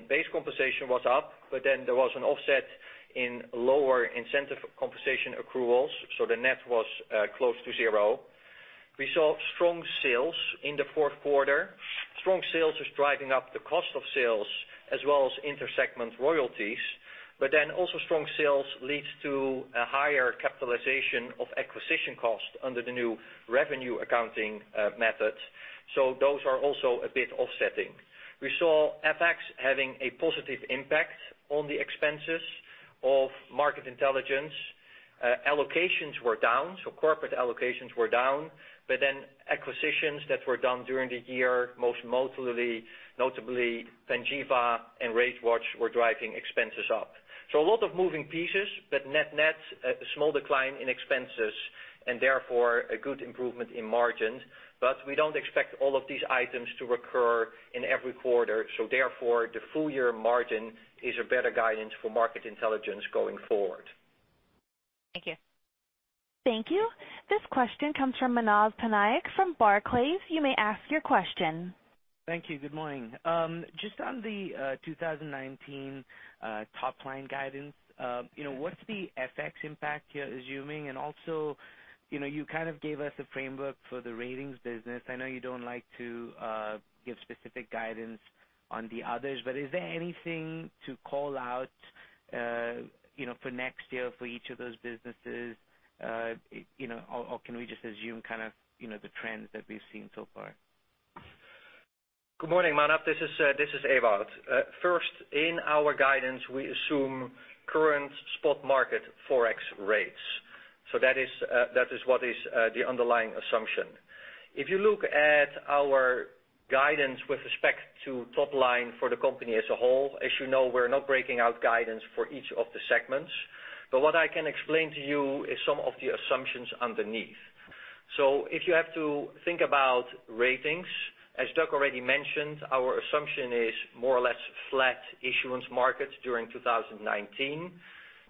Base compensation was up, there was an offset in lower incentive compensation accruals. The net was close to zero. We saw strong sales in the fourth quarter. Strong sales is driving up the cost of sales as well as inter-segment royalties, also strong sales leads to a higher capitalization of acquisition costs under the new revenue accounting method. Those are also a bit offsetting. We saw FX having a positive impact on the expenses of Market Intelligence. Allocations were down, corporate allocations were down. Acquisitions that were done during the year, most notably Panjiva and RateWatch, were driving expenses up. A lot of moving pieces, net-net, a small decline in expenses and therefore a good improvement in margins. We don't expect all of these items to recur in every quarter. Therefore, the full year margin is a better guidance for Market Intelligence going forward. Thank you. Thank you. This question comes from Manav Patnaik from Barclays. You may ask your question. Thank you. Good morning. Just on the 2019 top-line guidance. What's the FX impact you're assuming? You kind of gave us a framework for the ratings business. I know you don't like to give specific guidance on the others, but is there anything to call out for next year for each of those businesses? Can we just assume the trends that we've seen so far? Good morning, Manav. This is Ewout. First, in our guidance, we assume current spot market Forex rates. That is what is the underlying assumption. If you look at our guidance with respect to top-line for the company as a whole, as you know, we're not breaking out guidance for each of the segments. What I can explain to you is some of the assumptions underneath. If you have to think about ratings, as Doug already mentioned, our assumption is more or less flat issuance markets during 2019.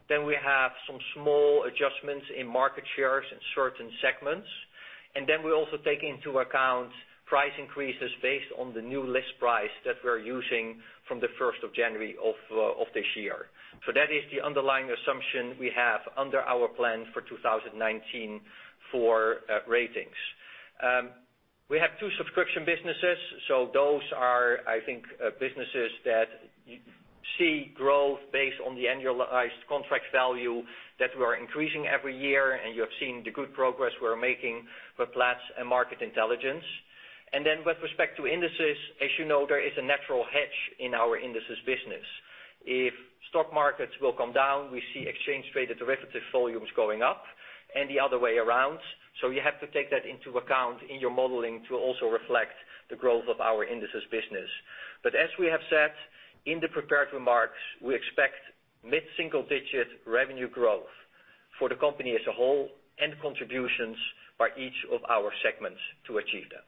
We have some small adjustments in market shares in certain segments. We also take into account price increases based on the new list price that we're using from the 1st of January of this year. That is the underlying assumption we have under our plan for 2019 for ratings. We have two subscription businesses. Those are, I think, businesses that see growth based on the annualized contract value that we are increasing every year, and you have seen the good progress we're making with Platts and Market Intelligence. With respect to indices, as you know, there is a natural hedge in our indices business. If stock markets will come down, we see exchange traded derivative volumes going up, and the other way around. You have to take that into account in your modeling to also reflect the growth of our indices business. As we have said in the prepared remarks, we expect mid-single-digit revenue growth for the company as a whole and contributions by each of our segments to achieve that.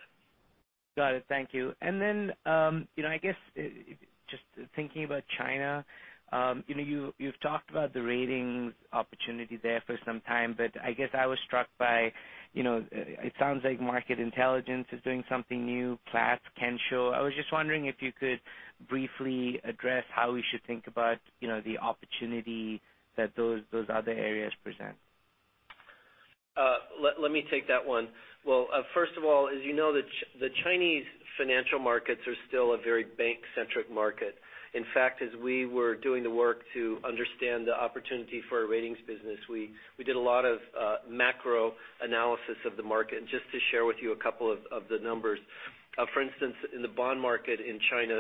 Got it. Thank you. I guess, just thinking about China, you've talked about the ratings opportunity there for some time, but I guess I was struck by, it sounds like Market Intelligence is doing something new, Platts, Kensho. I was just wondering if you could briefly address how we should think about the opportunity that those other areas present. Let me take that one. First of all, as you know, the Chinese financial markets are still a very bank-centric market. In fact, as we were doing the work to understand the opportunity for a ratings business, we did a lot of macro analysis of the market. Just to share with you a couple of the numbers. For instance, in the bond market in China,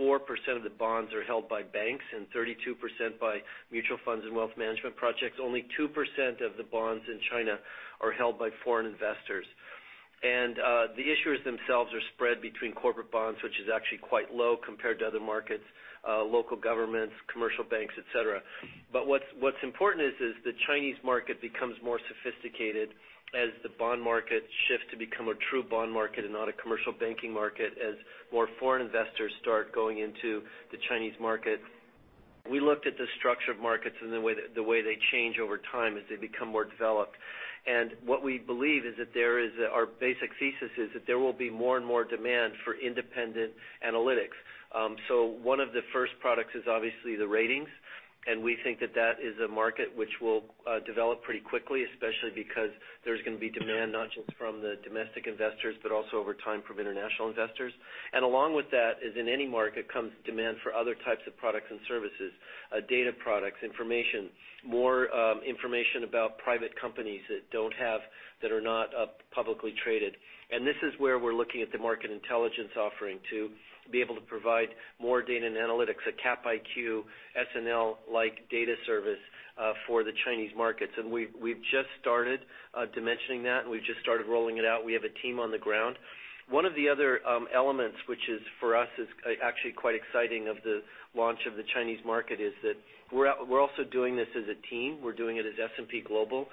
54% of the bonds are held by banks and 32% by mutual funds and wealth management projects. Only 2% of the bonds in China are held by foreign investors. The issuers themselves are spread between corporate bonds, which is actually quite low compared to other markets, local governments, commercial banks, et cetera. What's important is the Chinese market becomes more sophisticated as the bond market shifts to become a true bond market and not a commercial banking market as more foreign investors start going into the Chinese market. We looked at the structure of markets and the way they change over time as they become more developed. What we believe is that our basic thesis is that there will be more and more demand for independent analytics. One of the first products is obviously the ratings, we think that that is a market which will develop pretty quickly, especially because there's going to be demand not just from the domestic investors, but also over time from international investors. Along with that, as in any market, comes demand for other types of products and services, data products, information, more information about private companies that are not publicly traded. This is where we're looking at the Market Intelligence offering to be able to provide more data and analytics, a Capital IQ, SNL-like data service for the Chinese markets. We've just started dimensioning that, and we've just started rolling it out. We have a team on the ground. One of the other elements, which is for us, is actually quite exciting of the launch of the Chinese market, is that we're also doing this as a team. We're doing it as S&P Global.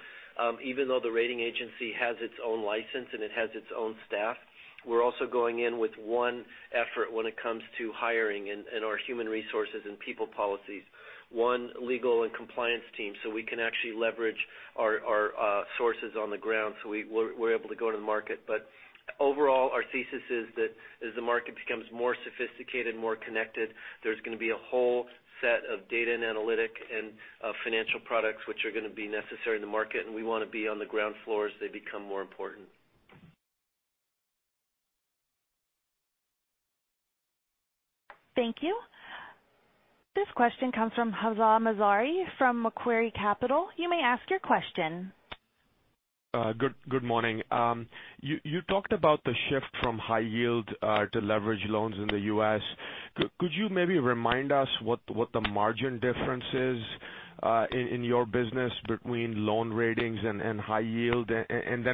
Even though the rating agency has its own license and it has its own staff, we're also going in with one effort when it comes to hiring and our human resources and people policies. One legal and compliance team, so we can actually leverage our sources on the ground, so we're able to go to the market. Overall, our thesis is that as the market becomes more sophisticated, more connected, there's going to be a whole set of data and analytic and financial products which are going to be necessary in the market, and we want to be on the ground floor as they become more important. Thank you. This question comes from Hamzah Mazari, from Macquarie Capital. You may ask your question. Good morning. You talked about the shift from high yield to leverage loans in the U.S. Could you maybe remind us what the margin difference is in your business between loan ratings and high yield?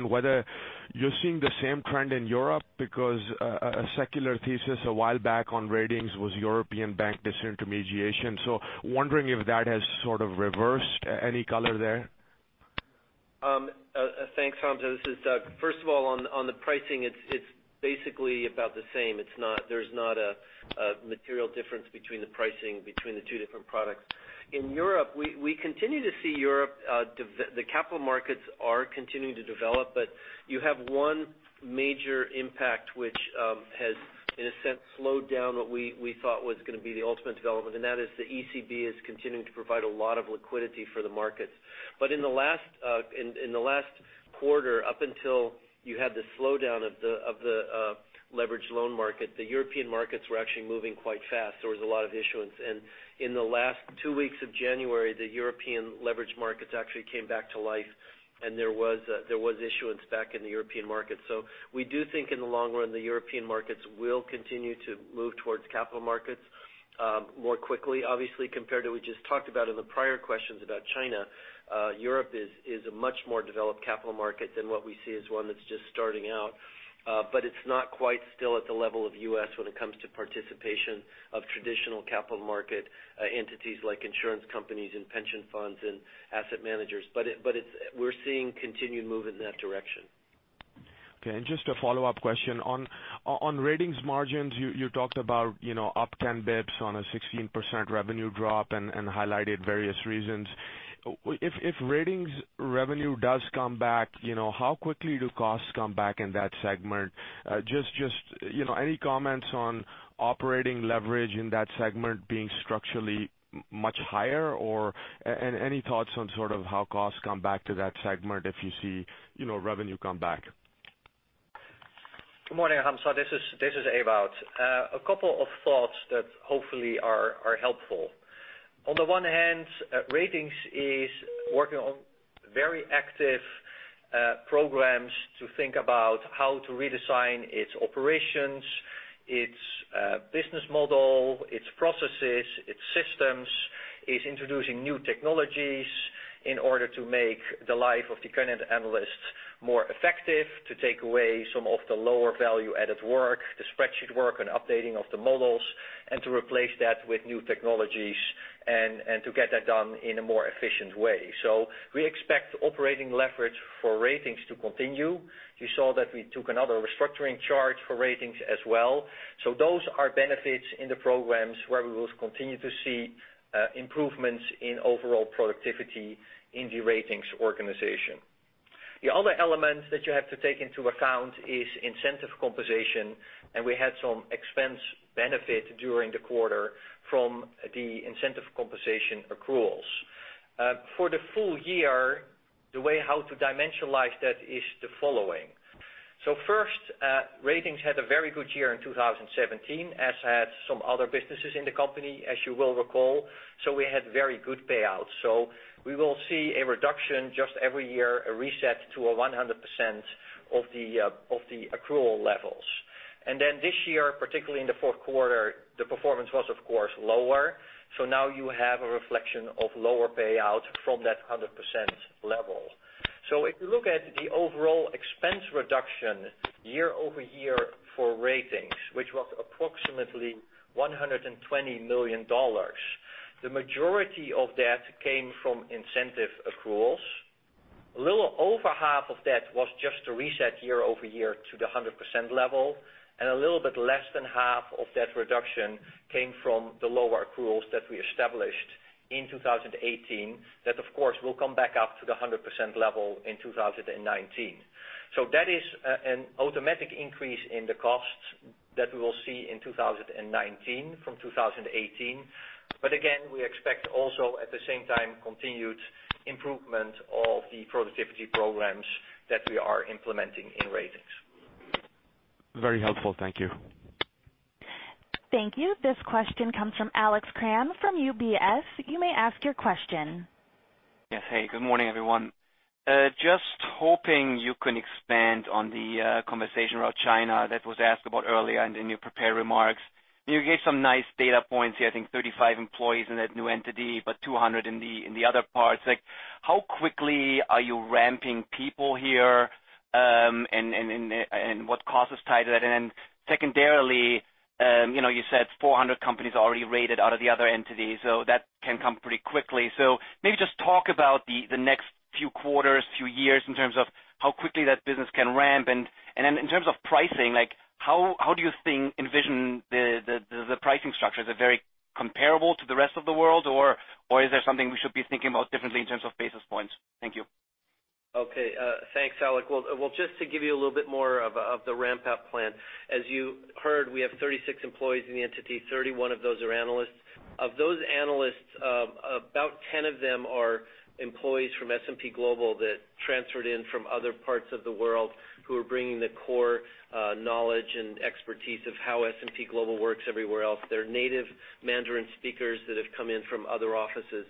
Whether you're seeing the same trend in Europe, because a secular thesis a while back on ratings was European bank disintermediation. Wondering if that has sort of reversed. Any color there? Thanks, Hamzah. This is Doug. First of all, on the pricing, it is basically about the same. There is not a material difference between the pricing between the two different products. In Europe, we continue to see Europe, the capital markets are continuing to develop, but you have one major impact which has, in a sense, slowed down what we thought was going to be the ultimate development, and that is the ECB is continuing to provide a lot of liquidity for the markets. In the last quarter, up until you had the slowdown of the leverage loan market, the European markets were actually moving quite fast. There was a lot of issuance. In the last two weeks of January, the European leverage markets actually came back to life, and there was issuance back in the European market. We do think in the long run, the European markets will continue to move towards capital markets more quickly, obviously, compared to we just talked about in the prior questions about China. Europe is a much more developed capital market than what we see as one that is just starting out. It is not quite still at the level of U.S. when it comes to participation of traditional capital market entities like insurance companies and pension funds and asset managers. We are seeing continued move in that direction. Okay, just a follow-up question. On ratings margins, you talked about up 10 basis points on a 16% revenue drop and highlighted various reasons. If ratings revenue does come back, how quickly do costs come back in that segment? Just any comments on operating leverage in that segment being structurally much higher, and any thoughts on sort of how costs come back to that segment if you see revenue come back? Good morning, Hamzah. This is Ewout. A couple of thoughts that hopefully are helpful. On the one hand, ratings is working on very active programs to think about how to redesign its operations, its business model, its processes, its systems, is introducing new technologies in order to make the life of the current analysts more effective, to take away some of the lower value added work, the spreadsheet work and updating of the models, and to replace that with new technologies and to get that done in a more efficient way. We expect operating leverage for ratings to continue. You saw that we took another restructuring charge for ratings as well. Those are benefits in the programs where we will continue to see improvements in overall productivity in the ratings organization. The other element that you have to take into account is incentive compensation, and we had some expense benefit during the quarter from the incentive compensation accruals. For the full year, the way how to dimensionalize that is the following. First, Ratings had a very good year in 2017, as had some other businesses in the company, as you will recall. We had very good payouts. We will see a reduction just every year, a reset to 100% of the accrual levels. This year, particularly in the fourth quarter, the performance was of course lower. Now you have a reflection of lower payout from that 100% level. If you look at the overall expense reduction year-over-year for Ratings, which was approximately $120 million, the majority of that came from incentive accruals. A little over half of that was just a reset year-over-year to the 100% level, and a little bit less than half of that reduction came from the lower accruals that we established in 2018. That, of course, will come back up to the 100% level in 2019. That is an automatic increase in the costs that we will see in 2019 from 2018. Again, we expect also at the same time, continued improvement of the productivity programs that we are implementing in Ratings. Very helpful. Thank you. Thank you. This question comes from Alex Kramm from UBS. You may ask your question. Yes. Hey, good morning, everyone. Just hoping you can expand on the conversation about China that was asked about earlier in your prepared remarks. You gave some nice data points here, I think 35 employees in that new entity, but 200 in the other parts. How quickly are you ramping people here, and what cost is tied to that? Secondarily, you said 400 companies already rated out of the other entities, so that can come pretty quickly. Maybe just talk about the next few quarters, few years in terms of how quickly that business can ramp. In terms of pricing, how do you envision the pricing structure? Is it very comparable to the rest of the world, or is there something we should be thinking about differently in terms of basis points? Thank you. Okay. Thanks, Alex. Well, just to give you a little bit more of the ramp-up plan. As you heard, we have 36 employees in the entity. 31 of those are analysts. Of those analysts, about 10 of them are employees from S&P Global that transferred in from other parts of the world who are bringing the core knowledge and expertise of how S&P Global works everywhere else. They're native Mandarin speakers that have come in from other offices.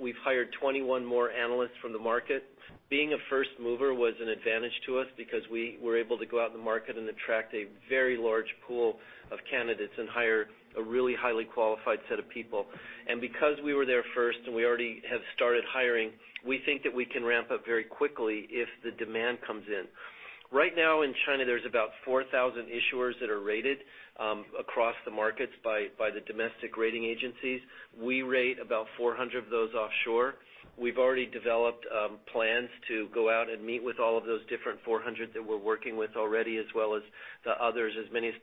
We've hired 21 more analysts from the market. Being a first mover was an advantage to us because we were able to go out in the market and attract a very large pool of candidates and hire a really highly qualified set of people. Because we were there first and we already have started hiring, we think that we can ramp up very quickly if the demand comes in. Right now in China, there's about 4,000 issuers that are rated across the markets by the domestic rating agencies. We rate about 400 of those offshore. We've already developed plans to go out and meet with all of those different 400 that we're working with already, as well as the others, as many as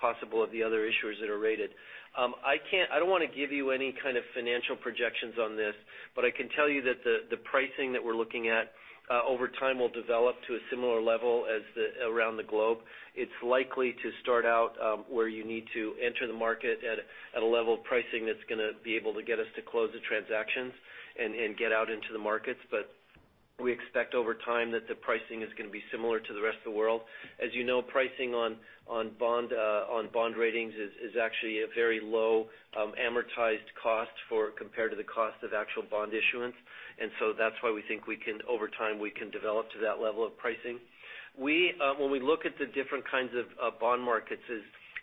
possible of the other issuers that are rated. I don't want to give you any kind of financial projections on this, but I can tell you that the pricing that we're looking at over time will develop to a similar level as around the globe. It's likely to start out where you need to enter the market at a level of pricing that's going to be able to get us to close the transactions and get out into the markets. We expect over time that the pricing is going to be similar to the rest of the world. As you know, pricing on bond ratings is actually a very low amortized cost compared to the cost of actual bond issuance. That's why we think over time, we can develop to that level of pricing. When we look at the different kinds of bond markets,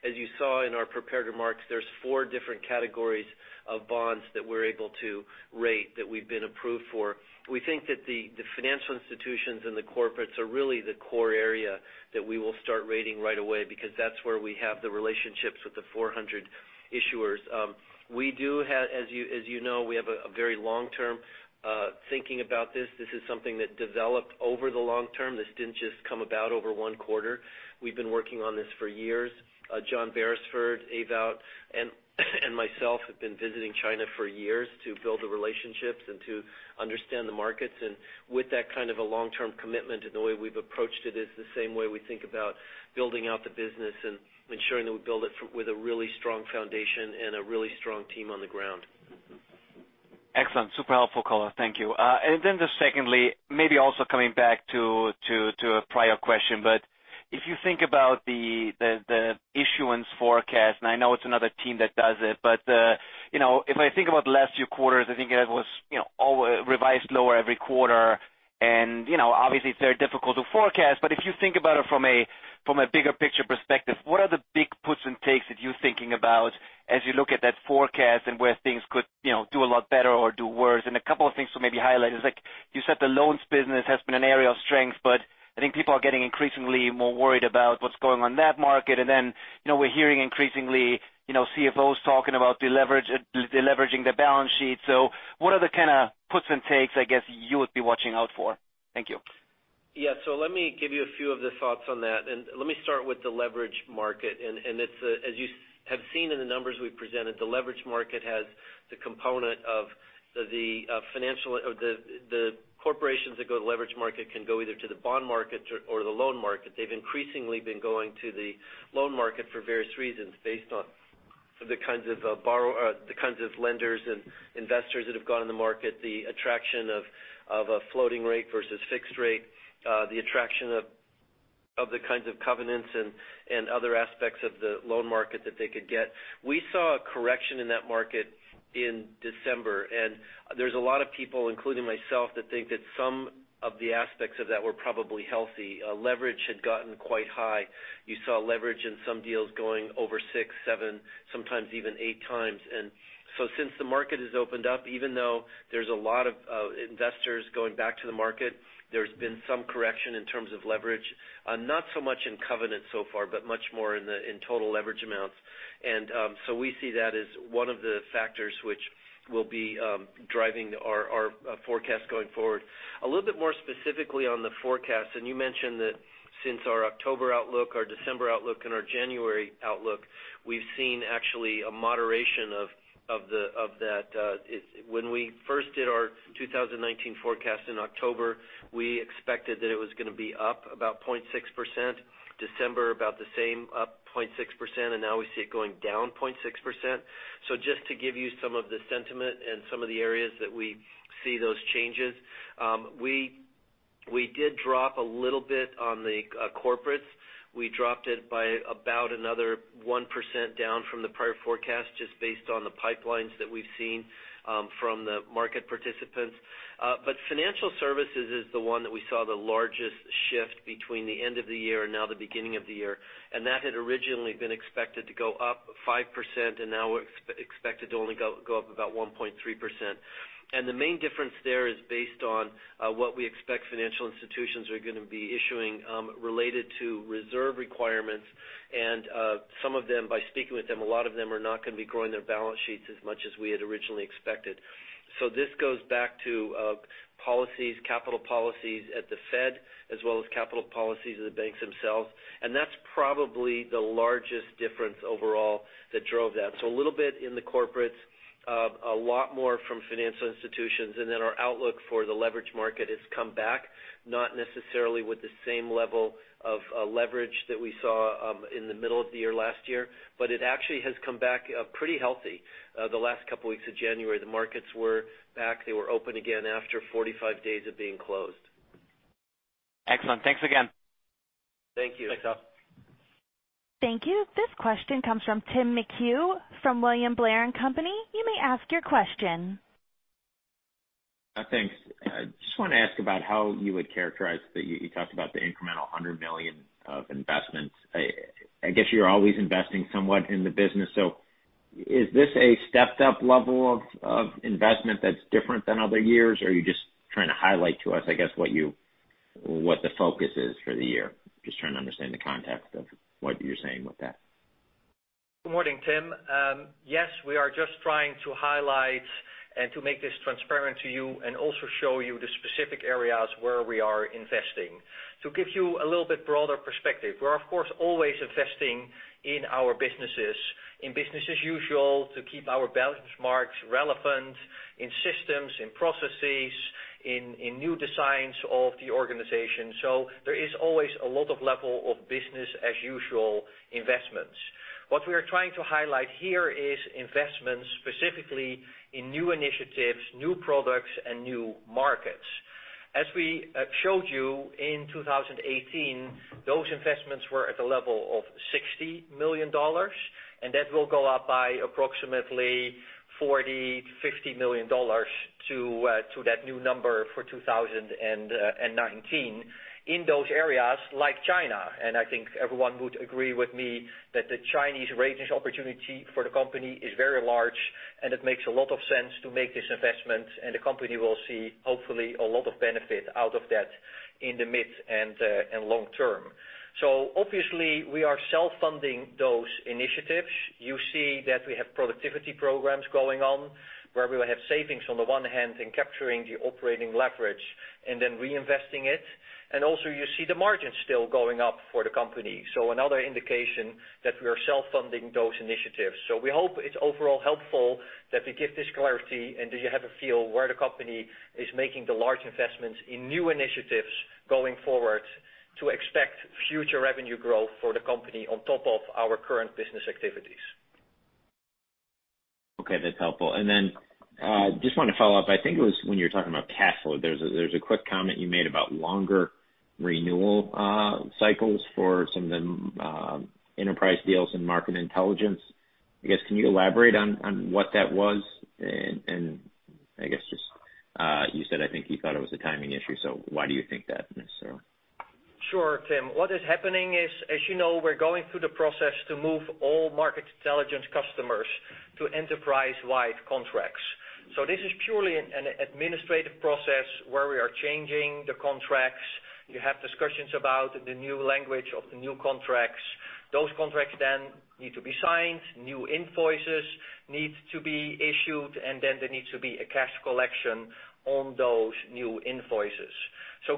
as you saw in our prepared remarks, there's four different categories of bonds that we're able to rate that we've been approved for. We think that the financial institutions and the corporates are really the core area that we will start rating right away because that's where we have the relationships with the 400 issuers. As you know, we have a very long-term thinking about this. This is something that developed over the long term. This didn't just come about over one quarter. We've been working on this for years. John Berisford, Ewout, and myself have been visiting China for years to build the relationships and to understand the markets. With that kind of a long-term commitment and the way we've approached it is the same way we think about building out the business and ensuring that we build it with a really strong foundation and a really strong team on the ground. Excellent. Super helpful color. Thank you. Then just secondly, maybe also coming back to a prior question, but if you think about the issuance forecast, and I know it's another team that does it, but if I think about the last few quarters, I think it was revised lower every quarter. Obviously it's very difficult to forecast, but if you think about it from a bigger picture perspective, what are the big puts and takes that you're thinking about as you look at that forecast and where things could do a lot better or do worse? A couple of things to maybe highlight is like you said, the loans business has been an area of strength, but I think people are getting increasingly more worried about what's going on in that market. Then, we're hearing increasingly CFOs talking about deleveraging their balance sheet. What are the kind of puts and takes, I guess, you would be watching out for? Thank you. Yeah. Let me give you a few of the thoughts on that. Let me start with the leverage market. As you have seen in the numbers we've presented, the leverage market has the component of The corporations that go to the leverage market can go either to the bond market or the loan market. They've increasingly been going to the loan market for various reasons, based on the kinds of lenders and investors that have gone in the market, the attraction of a floating rate versus fixed rate, the attraction of the kinds of covenants and other aspects of the loan market that they could get. We saw a correction in that market in December. There's a lot of people, including myself, that think that some of the aspects of that were probably healthy. Leverage had gotten quite high. You saw leverage in some deals going over six, seven, sometimes even eight times. Since the market has opened up, even though there's a lot of investors going back to the market, there's been some correction in terms of leverage. Not so much in covenant so far, but much more in total leverage amounts. We see that as one of the factors which will be driving our forecast going forward. A little bit more specifically on the forecast, you mentioned that since our October outlook, our December outlook, and our January outlook, we've seen actually a moderation of that. When we first did our 2019 forecast in October, we expected that it was going to be up about 0.6%. December, about the same, up 0.6%, and now we see it going down 0.6%. Just to give you some of the sentiment and some of the areas that we see those changes. We did drop a little bit on the corporates. We dropped it by about another 1% down from the prior forecast, just based on the pipelines that we've seen from the market participants. Financial services is the one that we saw the largest shift between the end of the year and now the beginning of the year. That had originally been expected to go up 5%, and now we expect it to only go up about 1.3%. The main difference there is based on what we expect financial institutions are going to be issuing related to reserve requirements. Some of them, by speaking with them, a lot of them are not going to be growing their balance sheets as much as we had originally expected. This goes back to policies, capital policies at the Fed, as well as capital policies of the banks themselves. That's probably the largest difference overall that drove that. A little bit in the corporates, a lot more from financial institutions. Our outlook for the leverage market has come back, not necessarily with the same level of leverage that we saw in the middle of the year last year. It actually has come back pretty healthy. The last couple weeks of January, the markets were back. They were open again after 45 days of being closed. Excellent. Thanks again. Thank you. Thanks, Al. Thank you. This question comes from Timothy McHugh from William Blair & Company. You may ask your question. Thanks. Just want to ask about how you would characterize. You talked about the incremental $100 million of investments. I guess you're always investing somewhat in the business. Is this a stepped-up level of investment that's different than other years? You're just trying to highlight to us, I guess, what the focus is for the year? Just trying to understand the context of what you're saying with that. Good morning, Tim. We are just trying to highlight and to make this transparent to you and also show you the specific areas where we are investing. To give you a little bit broader perspective, we're of course, always investing in our businesses. In business as usual to keep our benchmarks relevant in systems, in processes, in new designs of the organization. There is always a lot of level of business as usual investments. What we are trying to highlight here is investments specifically in new initiatives, new products and new markets. As we showed you in 2018, those investments were at a level of $60 million, and that will go up by approximately $40 million-$50 million to that new number for 2019 in those areas like China. I think everyone would agree with me that the Chinese ratings opportunity for the company is very large, and it makes a lot of sense to make this investment, and the company will see, hopefully, a lot of benefit out of that in the mid and long term. Obviously, we are self-funding those initiatives. You see that we have productivity programs going on where we will have savings on the one hand in capturing the operating leverage and then reinvesting it. Also you see the margin still going up for the company. Another indication that we are self-funding those initiatives. We hope it's overall helpful that we give this clarity and that you have a feel where the company is making the large investments in new initiatives going forward to expect future revenue growth for the company on top of our current business activities. Okay. That's helpful. Then, just want to follow up. I think it was when you were talking about cash flow. There is a quick comment you made about longer renewal cycles for some of the enterprise deals in Market Intelligence. Can you elaborate on what that was? You said, I think you thought it was a timing issue, why do you think that necessarily? Sure, Tim. What is happening is, as you know, we're going through the process to move all Market Intelligence customers to enterprise-wide contracts. This is purely an administrative process where we are changing the contracts. You have discussions about the new language of the new contracts. Those contracts need to be signed, new invoices need to be issued, there needs to be a cash collection on those new invoices.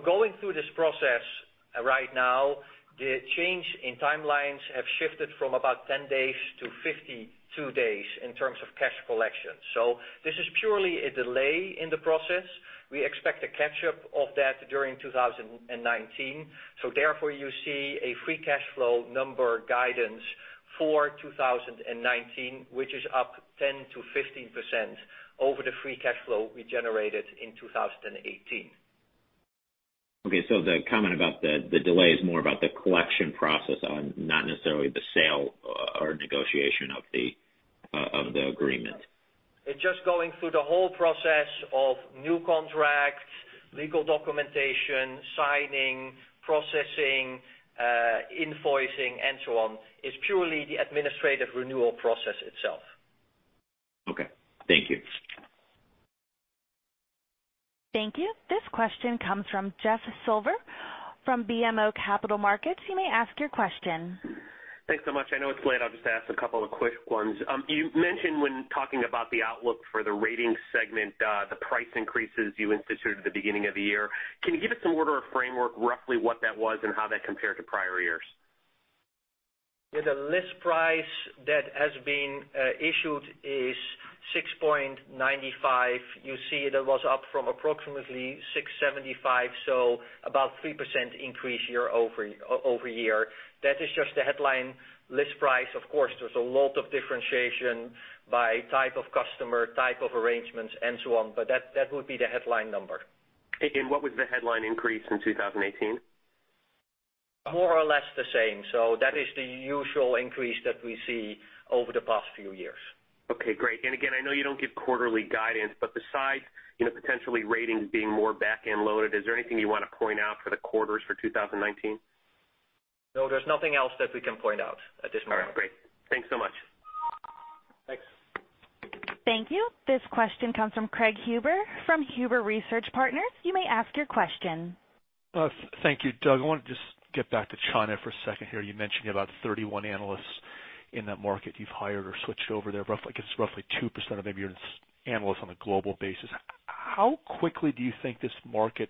Going through this process right now, the change in timelines have shifted from about 10 days to 52 days in terms of cash collection. This is purely a delay in the process. We expect a catch up of that during 2019. Therefore, you see a free cash flow number guidance for 2019, which is up 10%-15% over the free cash flow we generated in 2018. Okay. The comment about the delay is more about the collection process and not necessarily the sale or negotiation of the agreement. It's just going through the whole process of new contracts, legal documentation, signing, processing, invoicing, and so on. It's purely the administrative renewal process itself. Okay. Thank you. Thank you. This question comes from Jeffrey Silber from BMO Capital Markets. You may ask your question. Thanks so much. I know it's late. I'll just ask a couple of quick ones. You mentioned when talking about the outlook for the ratings segment, the price increases you instituted at the beginning of the year. Can you give us some order of framework, roughly what that was and how that compared to prior years? The list price that has been issued is $6.95. You see that was up from approximately $6.75, about 3% increase year-over-year. That is just the headline list price. Of course, there's a lot of differentiation by type of customer, type of arrangements, and so on, that would be the headline number. What was the headline increase in 2018? More or less the same. That is the usual increase that we see over the past few years. Okay, great. Again, I know you don't give quarterly guidance, but besides potentially Ratings being more back-end loaded, is there anything you want to point out for the quarters for 2019? No, there's nothing else that we can point out at this moment. All right, great. Thanks so much. Thanks. Thank you. This question comes from Craig Huber from Huber Research Partners. You may ask your question. Thank you, Doug. I want to just get back to China for a second here. You mentioned you have about 31 analysts in that market you've hired or switched over there, I guess roughly 2% of maybe your analysts on a global basis. How quickly do you think this market,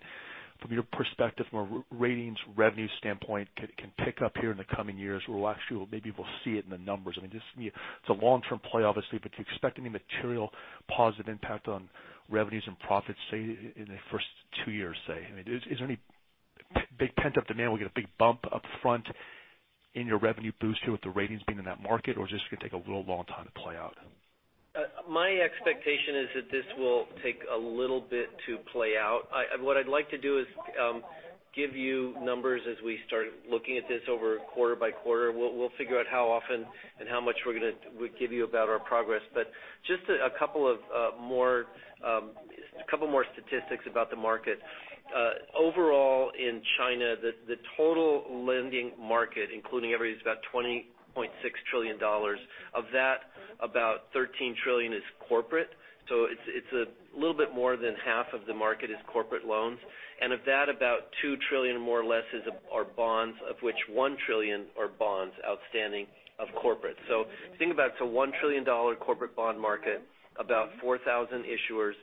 from your perspective, from a ratings revenue standpoint, can pick up here in the coming years? We'll actually, maybe we'll see it in the numbers. I mean, it's a long-term play, obviously, but do you expect any material positive impact on revenues and profits, say, in the first two years, say? I mean, is there any big pent-up demand, we get a big bump up front in your revenue boost here with the ratings being in that market, or is this going to take a real long time to play out? My expectation is that this will take a little bit to play out. What I'd like to do is give you numbers as we start looking at this over quarter by quarter. We'll figure out how often and how much we're going to give you about our progress. Just a couple more statistics about the market. Overall in China, the total lending market, including everybody, is about $20.6 trillion. Of that, about $13 trillion is corporate. It's a little bit more than half of the market is corporate loans. Of that, about $2 trillion more or less are bonds, of which $1 trillion are bonds outstanding of corporate. If you think about it's a $1 trillion corporate bond market, about 4,000 issuers.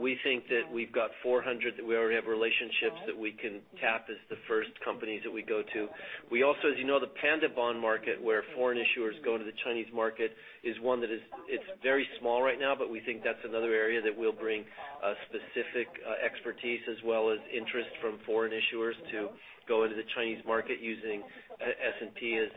We think that we've got 400 that we already have relationships that we can tap as the first companies that we go to. We also, as you know, the panda bond market, where foreign issuers go into the Chinese market, is one that it's very small right now, but we think that's another area that will bring a specific expertise as well as interest from foreign issuers to go into the Chinese market using S&P as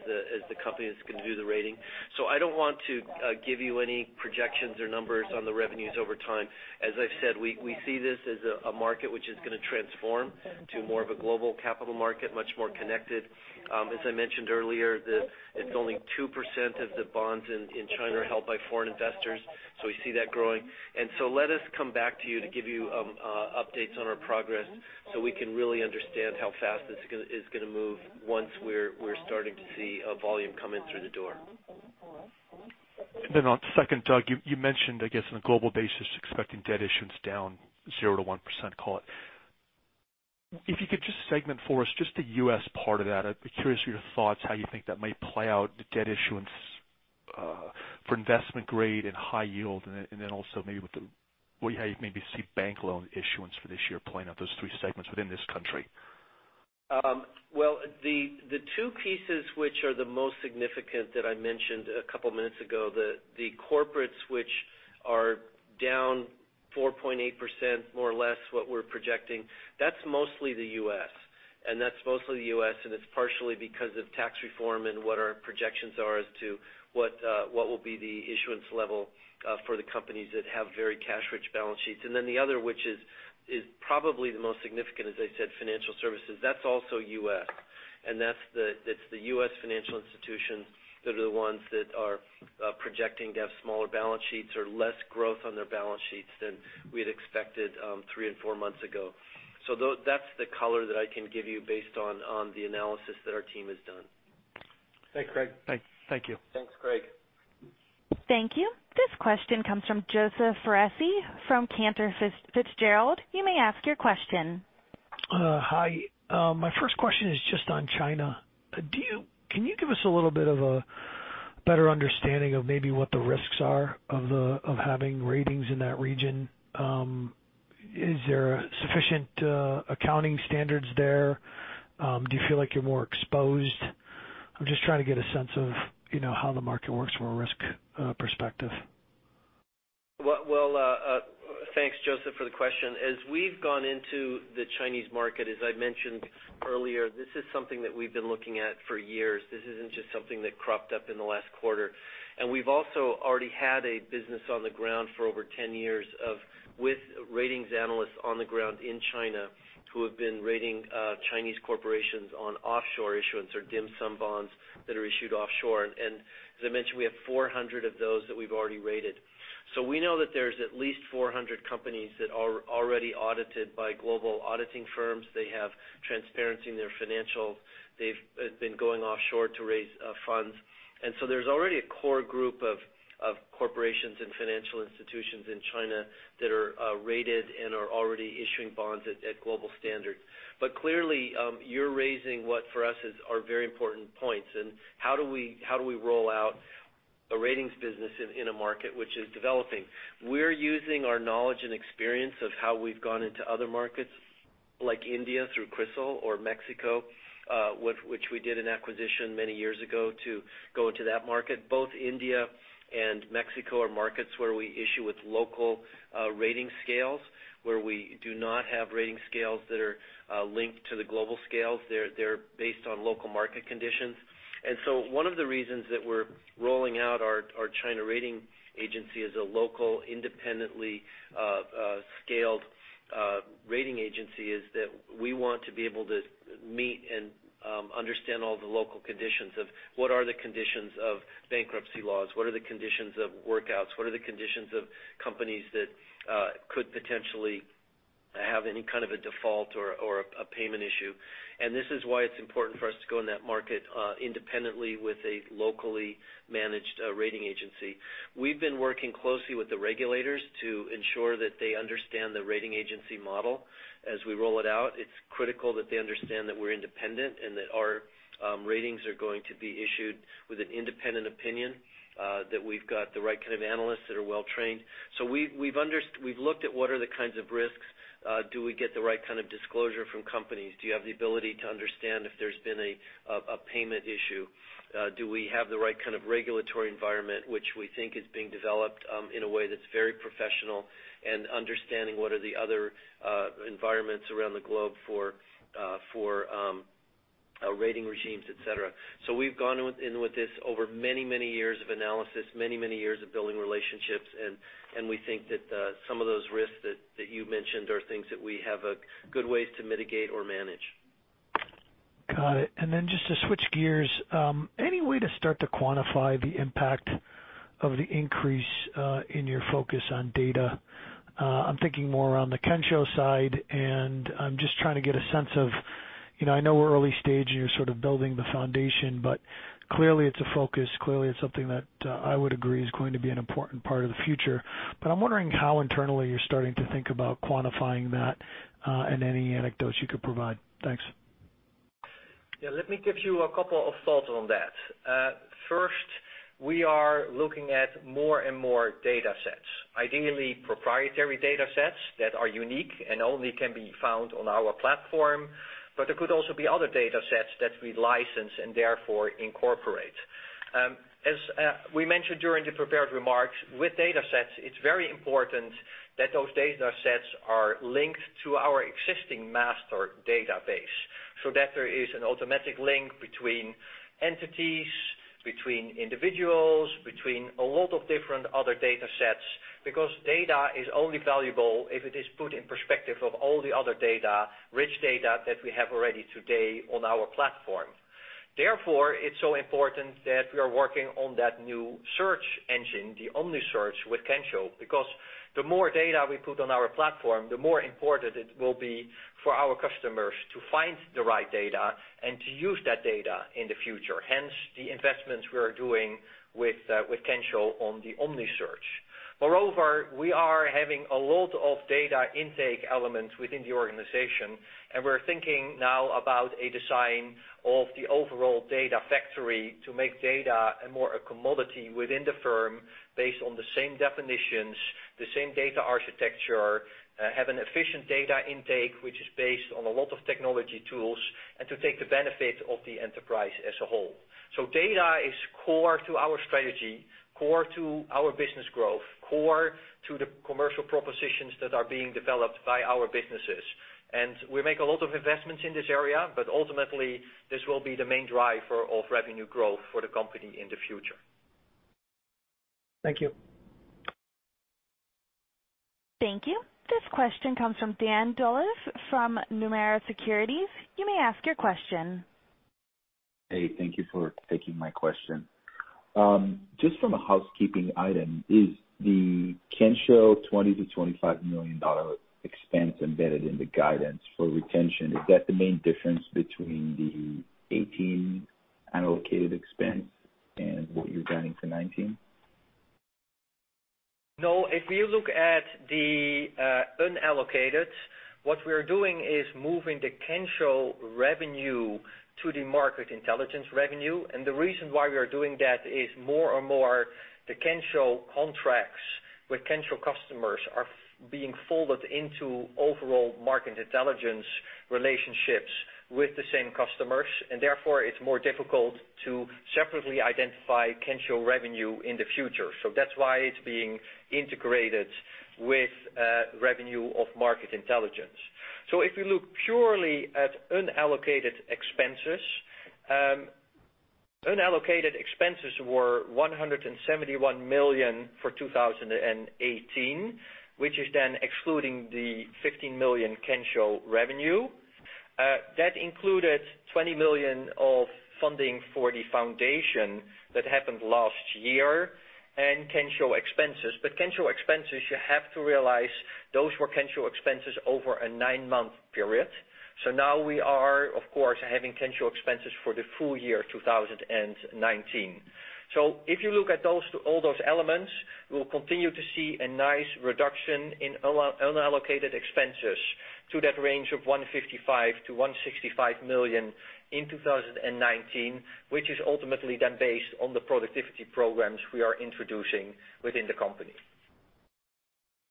the company that's going to do the rating. I don't want to give you any projections or numbers on the revenues over time. As I've said, we see this as a market which is going to transform to more of a global capital market, much more connected. As I mentioned earlier, it's only 2% of the bonds in China are held by foreign investors, so we see that growing. Let us come back to you to give you updates on our progress so we can really understand how fast this is going to move once we're starting to see volume come in through the door. on second, Doug, you mentioned, I guess on a global basis, expecting debt issuance down 0%-1%, call it. If you could just segment for us just the U.S. part of that. I'd be curious for your thoughts, how you think that might play out, the debt issuance for investment grade and high yield, and also maybe how you maybe see bank loan issuance for this year playing out, those three segments within this country. Well, the two pieces which are the most significant that I mentioned a couple of minutes ago, the corporates, which are down 4.8%, more or less what we're projecting, that's mostly the U.S. That's mostly U.S., and it's partially because of tax reform and what our projections are as to what will be the issuance level for the companies that have very cash-rich balance sheets. The other, which is probably the most significant, as I said, financial services, that's also U.S. That's the U.S. financial institutions that are the ones that are projecting to have smaller balance sheets or less growth on their balance sheets than we had expected three and four months ago. That's the color that I can give you based on the analysis that our team has done. Thanks, Craig. Thank you. Thanks, Craig. Thank you. This question comes from Joseph Foresi from Cantor Fitzgerald. You may ask your question. Hi. My first question is just on China. Can you give us a little bit of a better understanding of maybe what the risks are of having ratings in that region? Is there sufficient accounting standards there? Do you feel like you're more exposed? I'm just trying to get a sense of how the market works from a risk perspective. Well, thanks, Joseph, for the question. As we've gone into the Chinese market, as I mentioned earlier, this is something that we've been looking at for years. This isn't just something that cropped up in the last quarter. We've also already had a business on the ground for over 10 years with ratings analysts on the ground in China who have been rating Chinese corporations on offshore issuance or dim sum bonds that are issued offshore. As I mentioned, we have 400 of those that we've already rated. We know that there's at least 400 companies that are already audited by global auditing firms. They have transparency in their financials. They've been going offshore to raise funds. There's already a core group of corporations and financial institutions in China that are rated and are already issuing bonds at global standard. Clearly, you're raising what for us are very important points and how do we roll out a ratings business in a market which is developing? We're using our knowledge and experience of how we've gone into other markets like India through CRISIL or Mexico, which we did an acquisition many years ago to go into that market. Both India and Mexico are markets where we issue with local rating scales, where we do not have rating scales that are linked to the global scales. They're based on local market conditions. One of the reasons that we're rolling out our China rating agency as a local, independently scaled rating agency is that we want to be able to meet and understand all the local conditions of what are the conditions of bankruptcy laws, what are the conditions of workouts, what are the conditions of companies that could potentially have any kind of a default or a payment issue. This is why it's important for us to go in that market independently with a locally managed rating agency. We've been working closely with the regulators to ensure that they understand the rating agency model as we roll it out. It's critical that they understand that we're independent and that our ratings are going to be issued with an independent opinion that we've got the right kind of analysts that are well-trained. We've looked at what are the kinds of risks. Do we get the right kind of disclosure from companies? Do you have the ability to understand if there's been a payment issue? Do we have the right kind of regulatory environment, which we think is being developed in a way that's very professional and understanding what are the other environments around the globe for rating regimes, et cetera. We've gone in with this over many years of analysis, many years of building relationships, and we think that some of those risks that you mentioned are things that we have good ways to mitigate or manage. Got it. Then just to switch gears, any way to start to quantify the impact of the increase in your focus on data? I'm thinking more around the Kensho side, and I'm just trying to get a sense of, I know we're early stage and you're sort of building the foundation, clearly it's a focus. Clearly, it's something that I would agree is going to be an important part of the future. I'm wondering how internally you're starting to think about quantifying that and any anecdotes you could provide. Thanks. Yeah. Let me give you a couple of thoughts on that. First, we are looking at more and more data sets, ideally proprietary data sets that are unique and only can be found on our platform. There could also be other data sets that we license and therefore incorporate. As we mentioned during the prepared remarks, with data sets, it's very important that those data sets are linked to our existing master database so that there is an automatic link between entities, between individuals, between a lot of different other data sets, because data is only valuable if it is put in perspective of all the other data, rich data that we have already today on our platform. It's so important that we are working on that new search engine, the OmniSearch with Kensho, because the more data we put on our platform, the more important it will be for our customers to find the right data and to use that data in the future. Hence, the investments we are doing with Kensho on the OmniSearch. We are having a lot of data intake elements within the organization, and we're thinking now about a design of the overall data factory to make data more a commodity within the firm based on the same definitions, the same data architecture, have an efficient data intake which is based on a lot of technology tools, and to take the benefit of the enterprise as a whole. Data is core to our strategy, core to our business growth, core to the commercial propositions that are being developed by our businesses. We make a lot of investments in this area, ultimately this will be the main driver of revenue growth for the company in the future. Thank you. Thank you. This question comes from Dan Dolev from Nomura Securities. You may ask your question. Hey, thank you for taking my question. Just from a housekeeping item, is the Kensho $20 million to $25 million expense embedded in the guidance for retention? Is that the main difference between the 2018 unallocated expense and what you're guiding for 2019? No. If you look at the unallocated, what we are doing is moving the Kensho revenue to the Market Intelligence revenue. The reason why we are doing that is more and more the Kensho contracts with Kensho customers are being folded into overall Market Intelligence relationships with the same customers, and therefore it's more difficult to separately identify Kensho revenue in the future. That's why it's being integrated with revenue of Market Intelligence. If you look purely at unallocated expenses, unallocated expenses were $171 million for 2018, which is then excluding the $15 million Kensho revenue. That included $20 million of funding for the foundation that happened last year, and Kensho expenses. Kensho expenses, you have to realize those were Kensho expenses over a nine-month period. Now we are, of course, having Kensho expenses for the full year 2019. If you look at all those elements, we will continue to see a nice reduction in unallocated expenses to that range of $155 million-$165 million in 2019, which is ultimately then based on the productivity programs we are introducing within the company.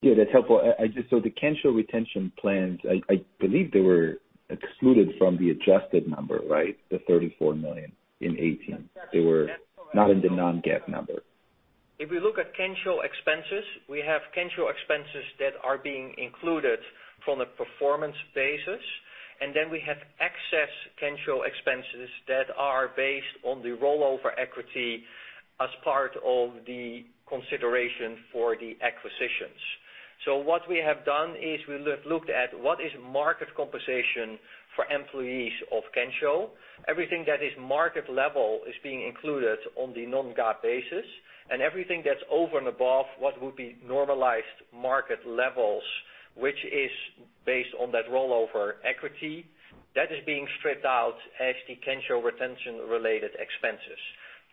Yeah, that's helpful. The Kensho retention plans, I believe they were excluded from the adjusted number, right? The $34 million in 2018. They were not in the non-GAAP number. If we look at Kensho expenses, we have Kensho expenses that are being included from a performance basis, and then we have excess Kensho expenses that are based on the rollover equity as part of the consideration for the acquisitions. What we have done is we looked at what is market compensation for employees of Kensho. Everything that is market level is being included on the non-GAAP basis, and everything that's over and above what would be normalized market levels, which is based on that rollover equity, that is being stripped out as the Kensho retention-related expenses.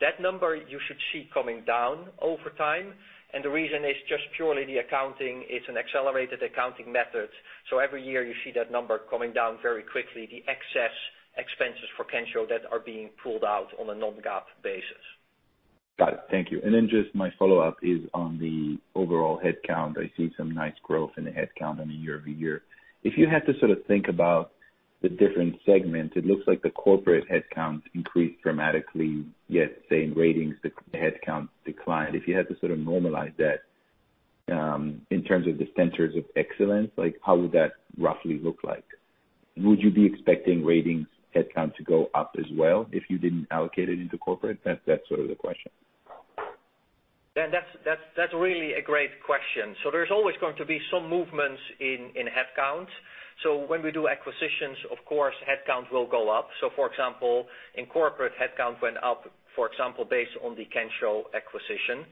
That number you should see coming down over time, and the reason is just purely the accounting. It's an accelerated accounting method. Every year you see that number coming down very quickly, the excess expenses for Kensho that are being pulled out on a non-GAAP basis. Got it. Thank you. Just my follow-up is on the overall headcount. I see some nice growth in the headcount on a year-over-year. If you had to sort of think about the different segments, it looks like the corporate headcount increased dramatically, yet, say, in ratings, the headcount declined. If you had to sort of normalize that, in terms of the centers of excellence, how would that roughly look like? Would you be expecting ratings headcount to go up as well if you didn't allocate it into corporate? That's sort of the question. Dan, that is really a great question. There is always going to be some movements in headcount. When we do acquisitions, of course, headcount will go up. For example, in Corporate, headcount went up, for example, based on the Kensho acquisition.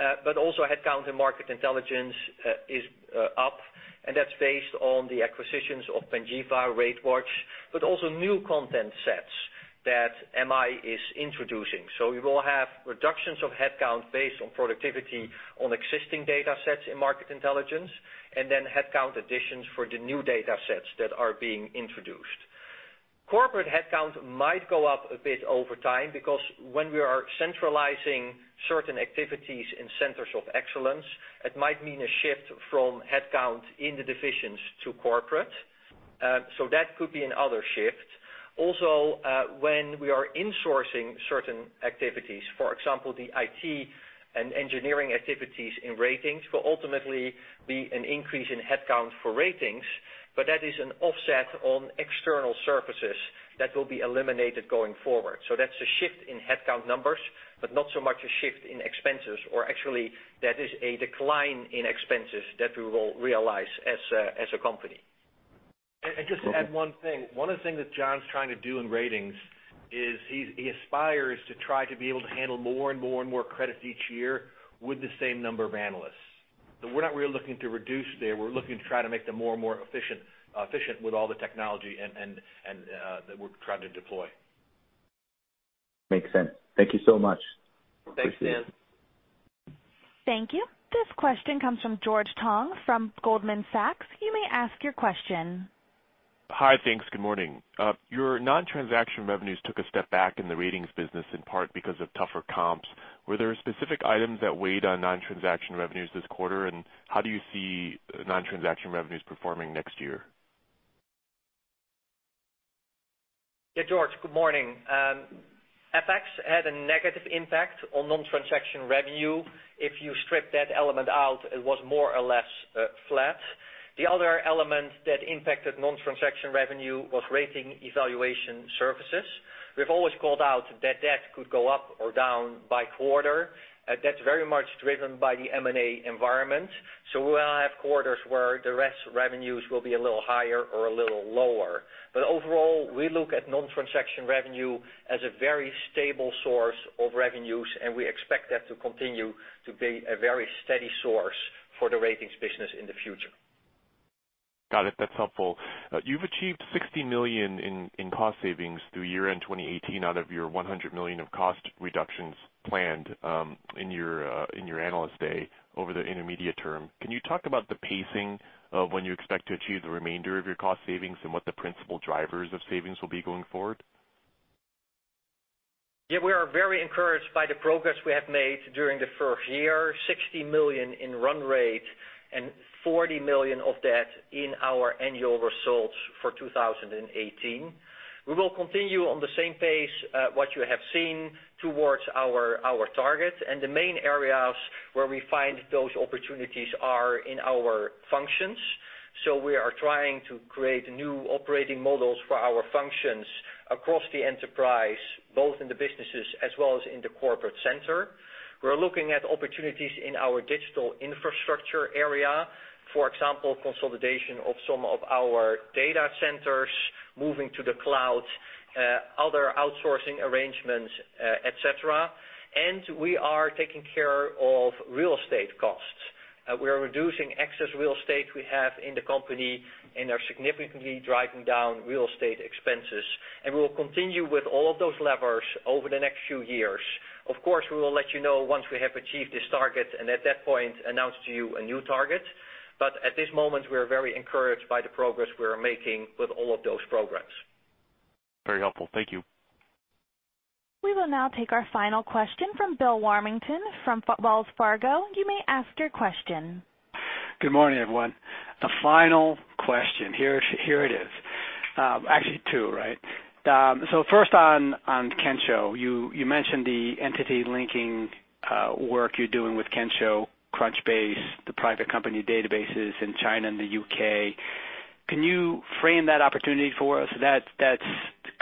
Headcount in Market Intelligence is up, and that is based on the acquisitions of Panjiva, RateWatch, but also new content sets that MI is introducing. We will have reductions of headcount based on productivity on existing datasets in Market Intelligence, and then headcount additions for the new datasets that are being introduced. Corporate headcount might go up a bit over time because when we are centralizing certain activities in centers of excellence, it might mean a shift from headcount in the divisions to Corporate. That could be another shift. When we are insourcing certain activities, for example, the IT and engineering activities in Ratings, will ultimately be an increase in headcount for Ratings, but that is an offset on external services that will be eliminated going forward. That is a shift in headcount numbers, but not so much a shift in expenses. Actually, that is a decline in expenses that we will realize as a company. Just to add one thing. One of the things that John is trying to do in Ratings is he aspires to try to be able to handle more and more credits each year with the same number of analysts. We are not really looking to reduce there. We are looking to try to make them more and more efficient with all the technology that we are trying to deploy. Makes sense. Thank you so much. Thanks, Dan. Thank you. This question comes from George Tong from Goldman Sachs. You may ask your question. Hi, thanks. Good morning. Your non-transaction revenues took a step back in the ratings business, in part because of tougher comps. Were there specific items that weighed on non-transaction revenues this quarter, and how do you see non-transaction revenues performing next year? Yeah, George, good morning. FX had a negative impact on non-transaction revenue. If you strip that element out, it was more or less flat. The other element that impacted non-transaction revenue was rating evaluation services. We've always called out that could go up or down by quarter. That's very much driven by the M&A environment. We will have quarters where the rest revenues will be a little higher or a little lower. Overall, we look at non-transaction revenue as a very stable source of revenues, and we expect that to continue to be a very steady source for the ratings business in the future. Got it. That's helpful. You've achieved $60 million in cost savings through year-end 2018 out of your $100 million of cost reductions planned in your analyst day over the intermediate term. Can you talk about the pacing of when you expect to achieve the remainder of your cost savings and what the principal drivers of savings will be going forward? Yeah, we are very encouraged by the progress we have made during the first year, $60 million in run rate and $40 million of that in our annual results for 2018. We will continue on the same pace, what you have seen towards our targets. The main areas where we find those opportunities are in our functions. We are trying to create new operating models for our functions across the enterprise, both in the businesses as well as in the corporate center. We're looking at opportunities in our digital infrastructure area, for example, consolidation of some of our data centers, moving to the cloud, other outsourcing arrangements, et cetera. We are taking care of real estate costs. We are reducing excess real estate we have in the company and are significantly driving down real estate expenses. We will continue with all of those levers over the next few years. Of course, we will let you know once we have achieved this target and at that point, announce to you a new target. At this moment, we are very encouraged by the progress we are making with all of those programs. Very helpful. Thank you. We will now take our final question from Bill Warmington from Wells Fargo. You may ask your question. Good morning, everyone. The final question. Here it is. Actually two, right? First on Kensho. You mentioned the entity linking work you're doing with Kensho, Crunchbase, the private company databases in China and the U.K. Can you frame that opportunity for us? That's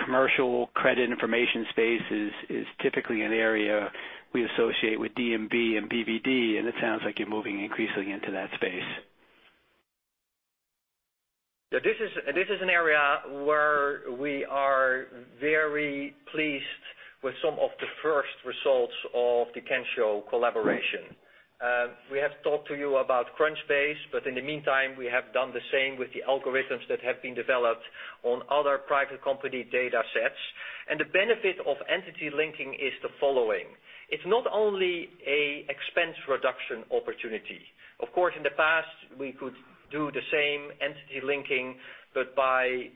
commercial credit information space is typically an area we associate with D&B and BVD, it sounds like you're moving increasingly into that space. This is an area where we are very pleased with some of the first results of the Kensho collaboration. We have talked to you about Crunchbase, but in the meantime, we have done the same with the algorithms that have been developed on other private company data sets. The benefit of entity linking is the following. It's not only an expense reduction opportunity. Of course, in the past, we could do the same entity linking, but by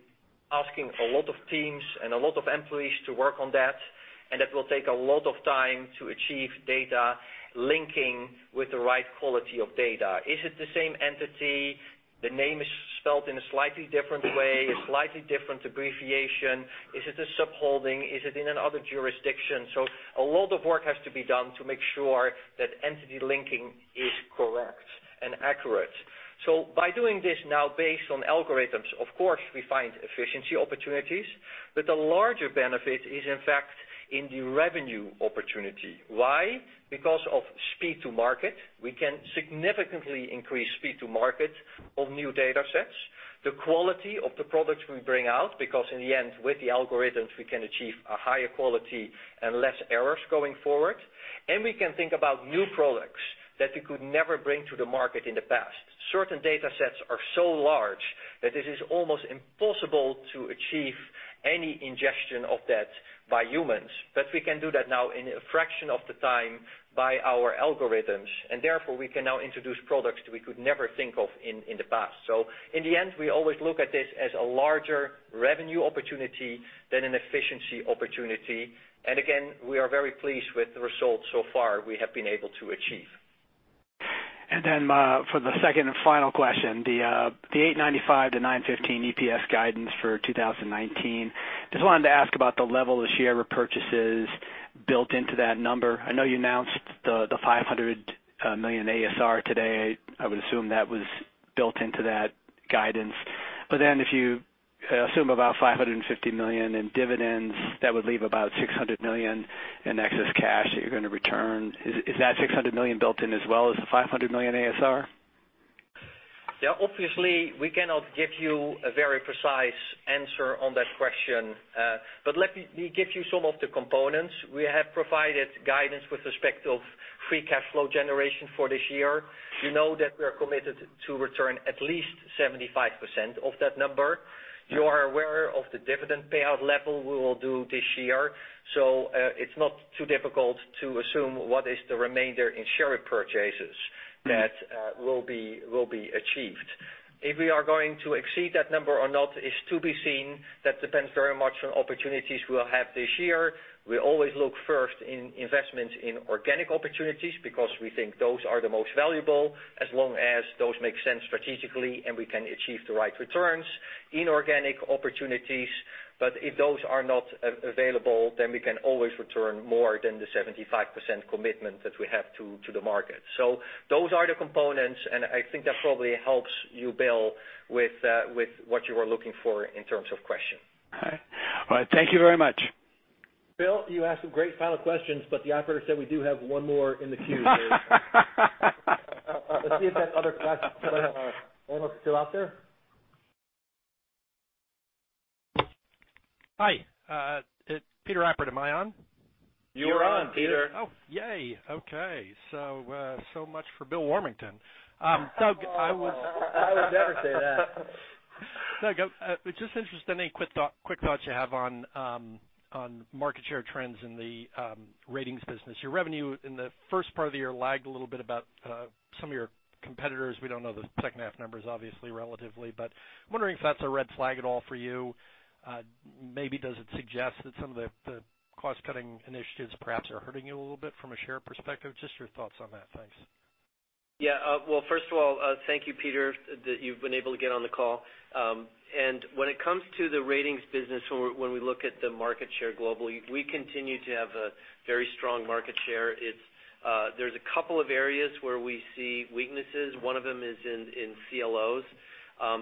asking a lot of teams and a lot of employees to work on that, and that will take a lot of time to achieve data linking with the right quality of data. Is it the same entity? The name is spelled in a slightly different way, a slightly different abbreviation. Is it a sub-holding? Is it in another jurisdiction? A lot of work has to be done to make sure that entity linking is correct and accurate. By doing this now based on algorithms, of course, we find efficiency opportunities, but the larger benefit is, in fact, in the revenue opportunity. Why? Because of speed to market. We can significantly increase speed to market of new data sets, the quality of the products we bring out, because in the end, with the algorithms, we can achieve a higher quality and less errors going forward. We can think about new products that we could never bring to the market in the past. Certain data sets are so large that it is almost impossible to achieve any ingestion of that by humans. We can do that now in a fraction of the time by our algorithms, therefore we can now introduce products that we could never think of in the past. In the end, we always look at this as a larger revenue opportunity than an efficiency opportunity. Again, we are very pleased with the results so far we have been able to achieve. For the second and final question, the $8.95 to $9.15 EPS guidance for 2019. Just wanted to ask about the level of share repurchases built into that number. I know you announced the $500 million ASR today. I would assume that was built into that guidance. If you assume about $550 million in dividends, that would leave about $600 million in excess cash that you're going to return. Is that $600 million built in as well as the $500 million ASR? Obviously, we cannot give you a very precise answer on that question. Let me give you some of the components. We have provided guidance with respect of free cash flow generation for this year. You know that we are committed to return at least 75% of that number. You are aware of the dividend payout level we will do this year. It's not too difficult to assume what is the remainder in share repurchases that will be achieved. If we are going to exceed that number or not is to be seen. That depends very much on opportunities we'll have this year. We always look first in investments in organic opportunities because we think those are the most valuable as long as those make sense strategically and we can achieve the right returns. Inorganic opportunities, if those are not available, we can always return more than the 75% commitment that we have to the market. Those are the components, I think that probably helps you, Bill, with what you are looking for in terms of question. All right. Thank you very much. Bill, you asked some great final questions, but the operator said we do have one more in the queue. Let's see if that other person, analyst, still out there. Hi, Peter Appert. Am I on? You are on, Peter. Oh, yay. Okay. So much for Bill Warmington. I would never say that. Doug, just interested, any quick thoughts you have on market share trends in the ratings business? Your revenue in the first part of the year lagged a little bit about some of your competitors. We don't know the second half numbers, obviously, relatively, but I'm wondering if that's a red flag at all for you. Maybe does it suggest that some of the cost-cutting initiatives perhaps are hurting you a little bit from a share perspective? Just your thoughts on that. Thanks. Yeah. Well, first of all, thank you, Peter, that you've been able to get on the call. When it comes to the ratings business, when we look at the market share globally, we continue to have a very strong market share. There's a couple of areas where we see weaknesses. One of them is in CLOs.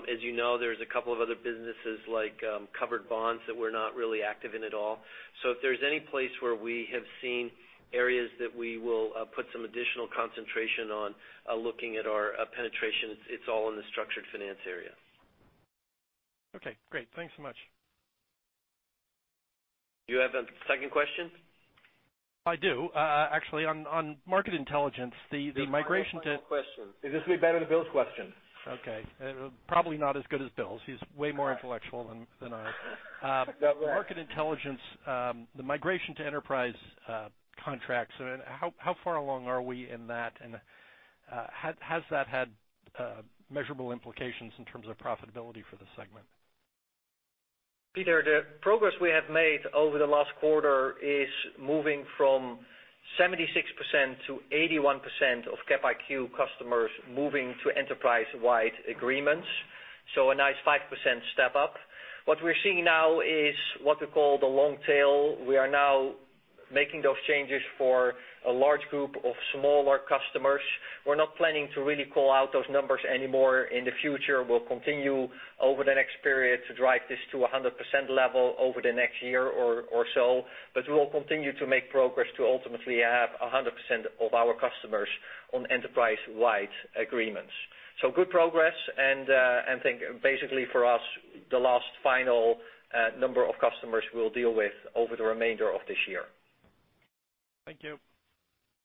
As you know, there's a couple of other businesses like covered bonds that we're not really active in at all. If there's any place where we have seen areas that we will put some additional concentration on looking at our penetration, it's all in the structured finance area. Okay, great. Thanks so much. Do you have a second question? I do. Actually, on Market Intelligence, the migration to- This is your final question. Is this going to be better than Bill's question? Okay. Probably not as good as Bill's. He's way more intellectual than I am. Go ahead. Market Intelligence, the migration to enterprise contracts, how far along are we in that? Has that had measurable implications in terms of profitability for the segment? Peter, the progress we have made over the last quarter is moving from 76% to 81% of Capital IQ customers moving to enterprise-wide agreements. A nice 5% step-up. What we're seeing now is what we call the long tail. We are now making those changes for a large group of smaller customers. We're not planning to really call out those numbers anymore in the future. We'll continue over the next period to drive this to a 100% level over the next year or so. We will continue to make progress to ultimately have 100% of our customers on enterprise-wide agreements. Good progress and think basically for us, the last final number of customers we'll deal with over the remainder of this year. Thank you.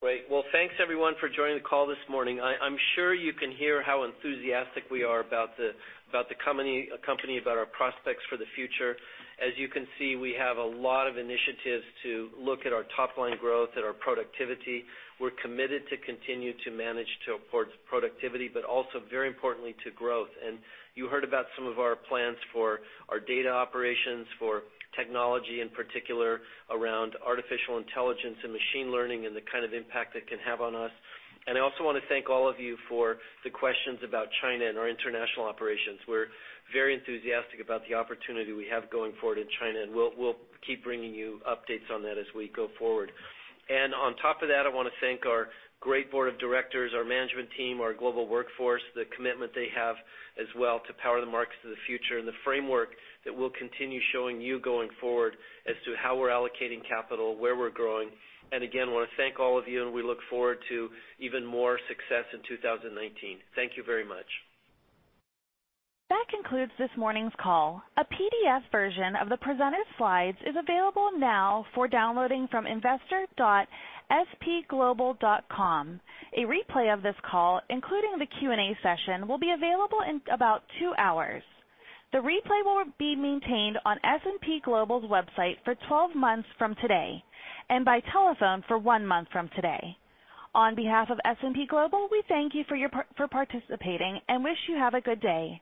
Great. Well, thanks everyone for joining the call this morning. I'm sure you can hear how enthusiastic we are about the company, about our prospects for the future. As you can see, we have a lot of initiatives to look at our top-line growth and our productivity. We're committed to continue to manage towards productivity, but also very importantly to growth. You heard about some of our plans for our data operations, for technology in particular, around artificial intelligence and machine learning and the kind of impact it can have on us. I also want to thank all of you for the questions about China and our international operations. We're very enthusiastic about the opportunity we have going forward in China, and we'll keep bringing you updates on that as we go forward. On top of that, I want to thank our great board of directors, our management team, our global workforce, the commitment they have as well to power the markets of the future and the framework that we'll continue showing you going forward as to how we're allocating capital, where we're growing. Again, want to thank all of you, and we look forward to even more success in 2019. Thank you very much. That concludes this morning's call. A PDF version of the presented slides is available now for downloading from investor.spglobal.com. A replay of this call, including the Q&A session, will be available in about two hours. The replay will be maintained on S&P Global's website for 12 months from today and by telephone for one month from today. On behalf of S&P Global, we thank you for participating and wish you have a good day.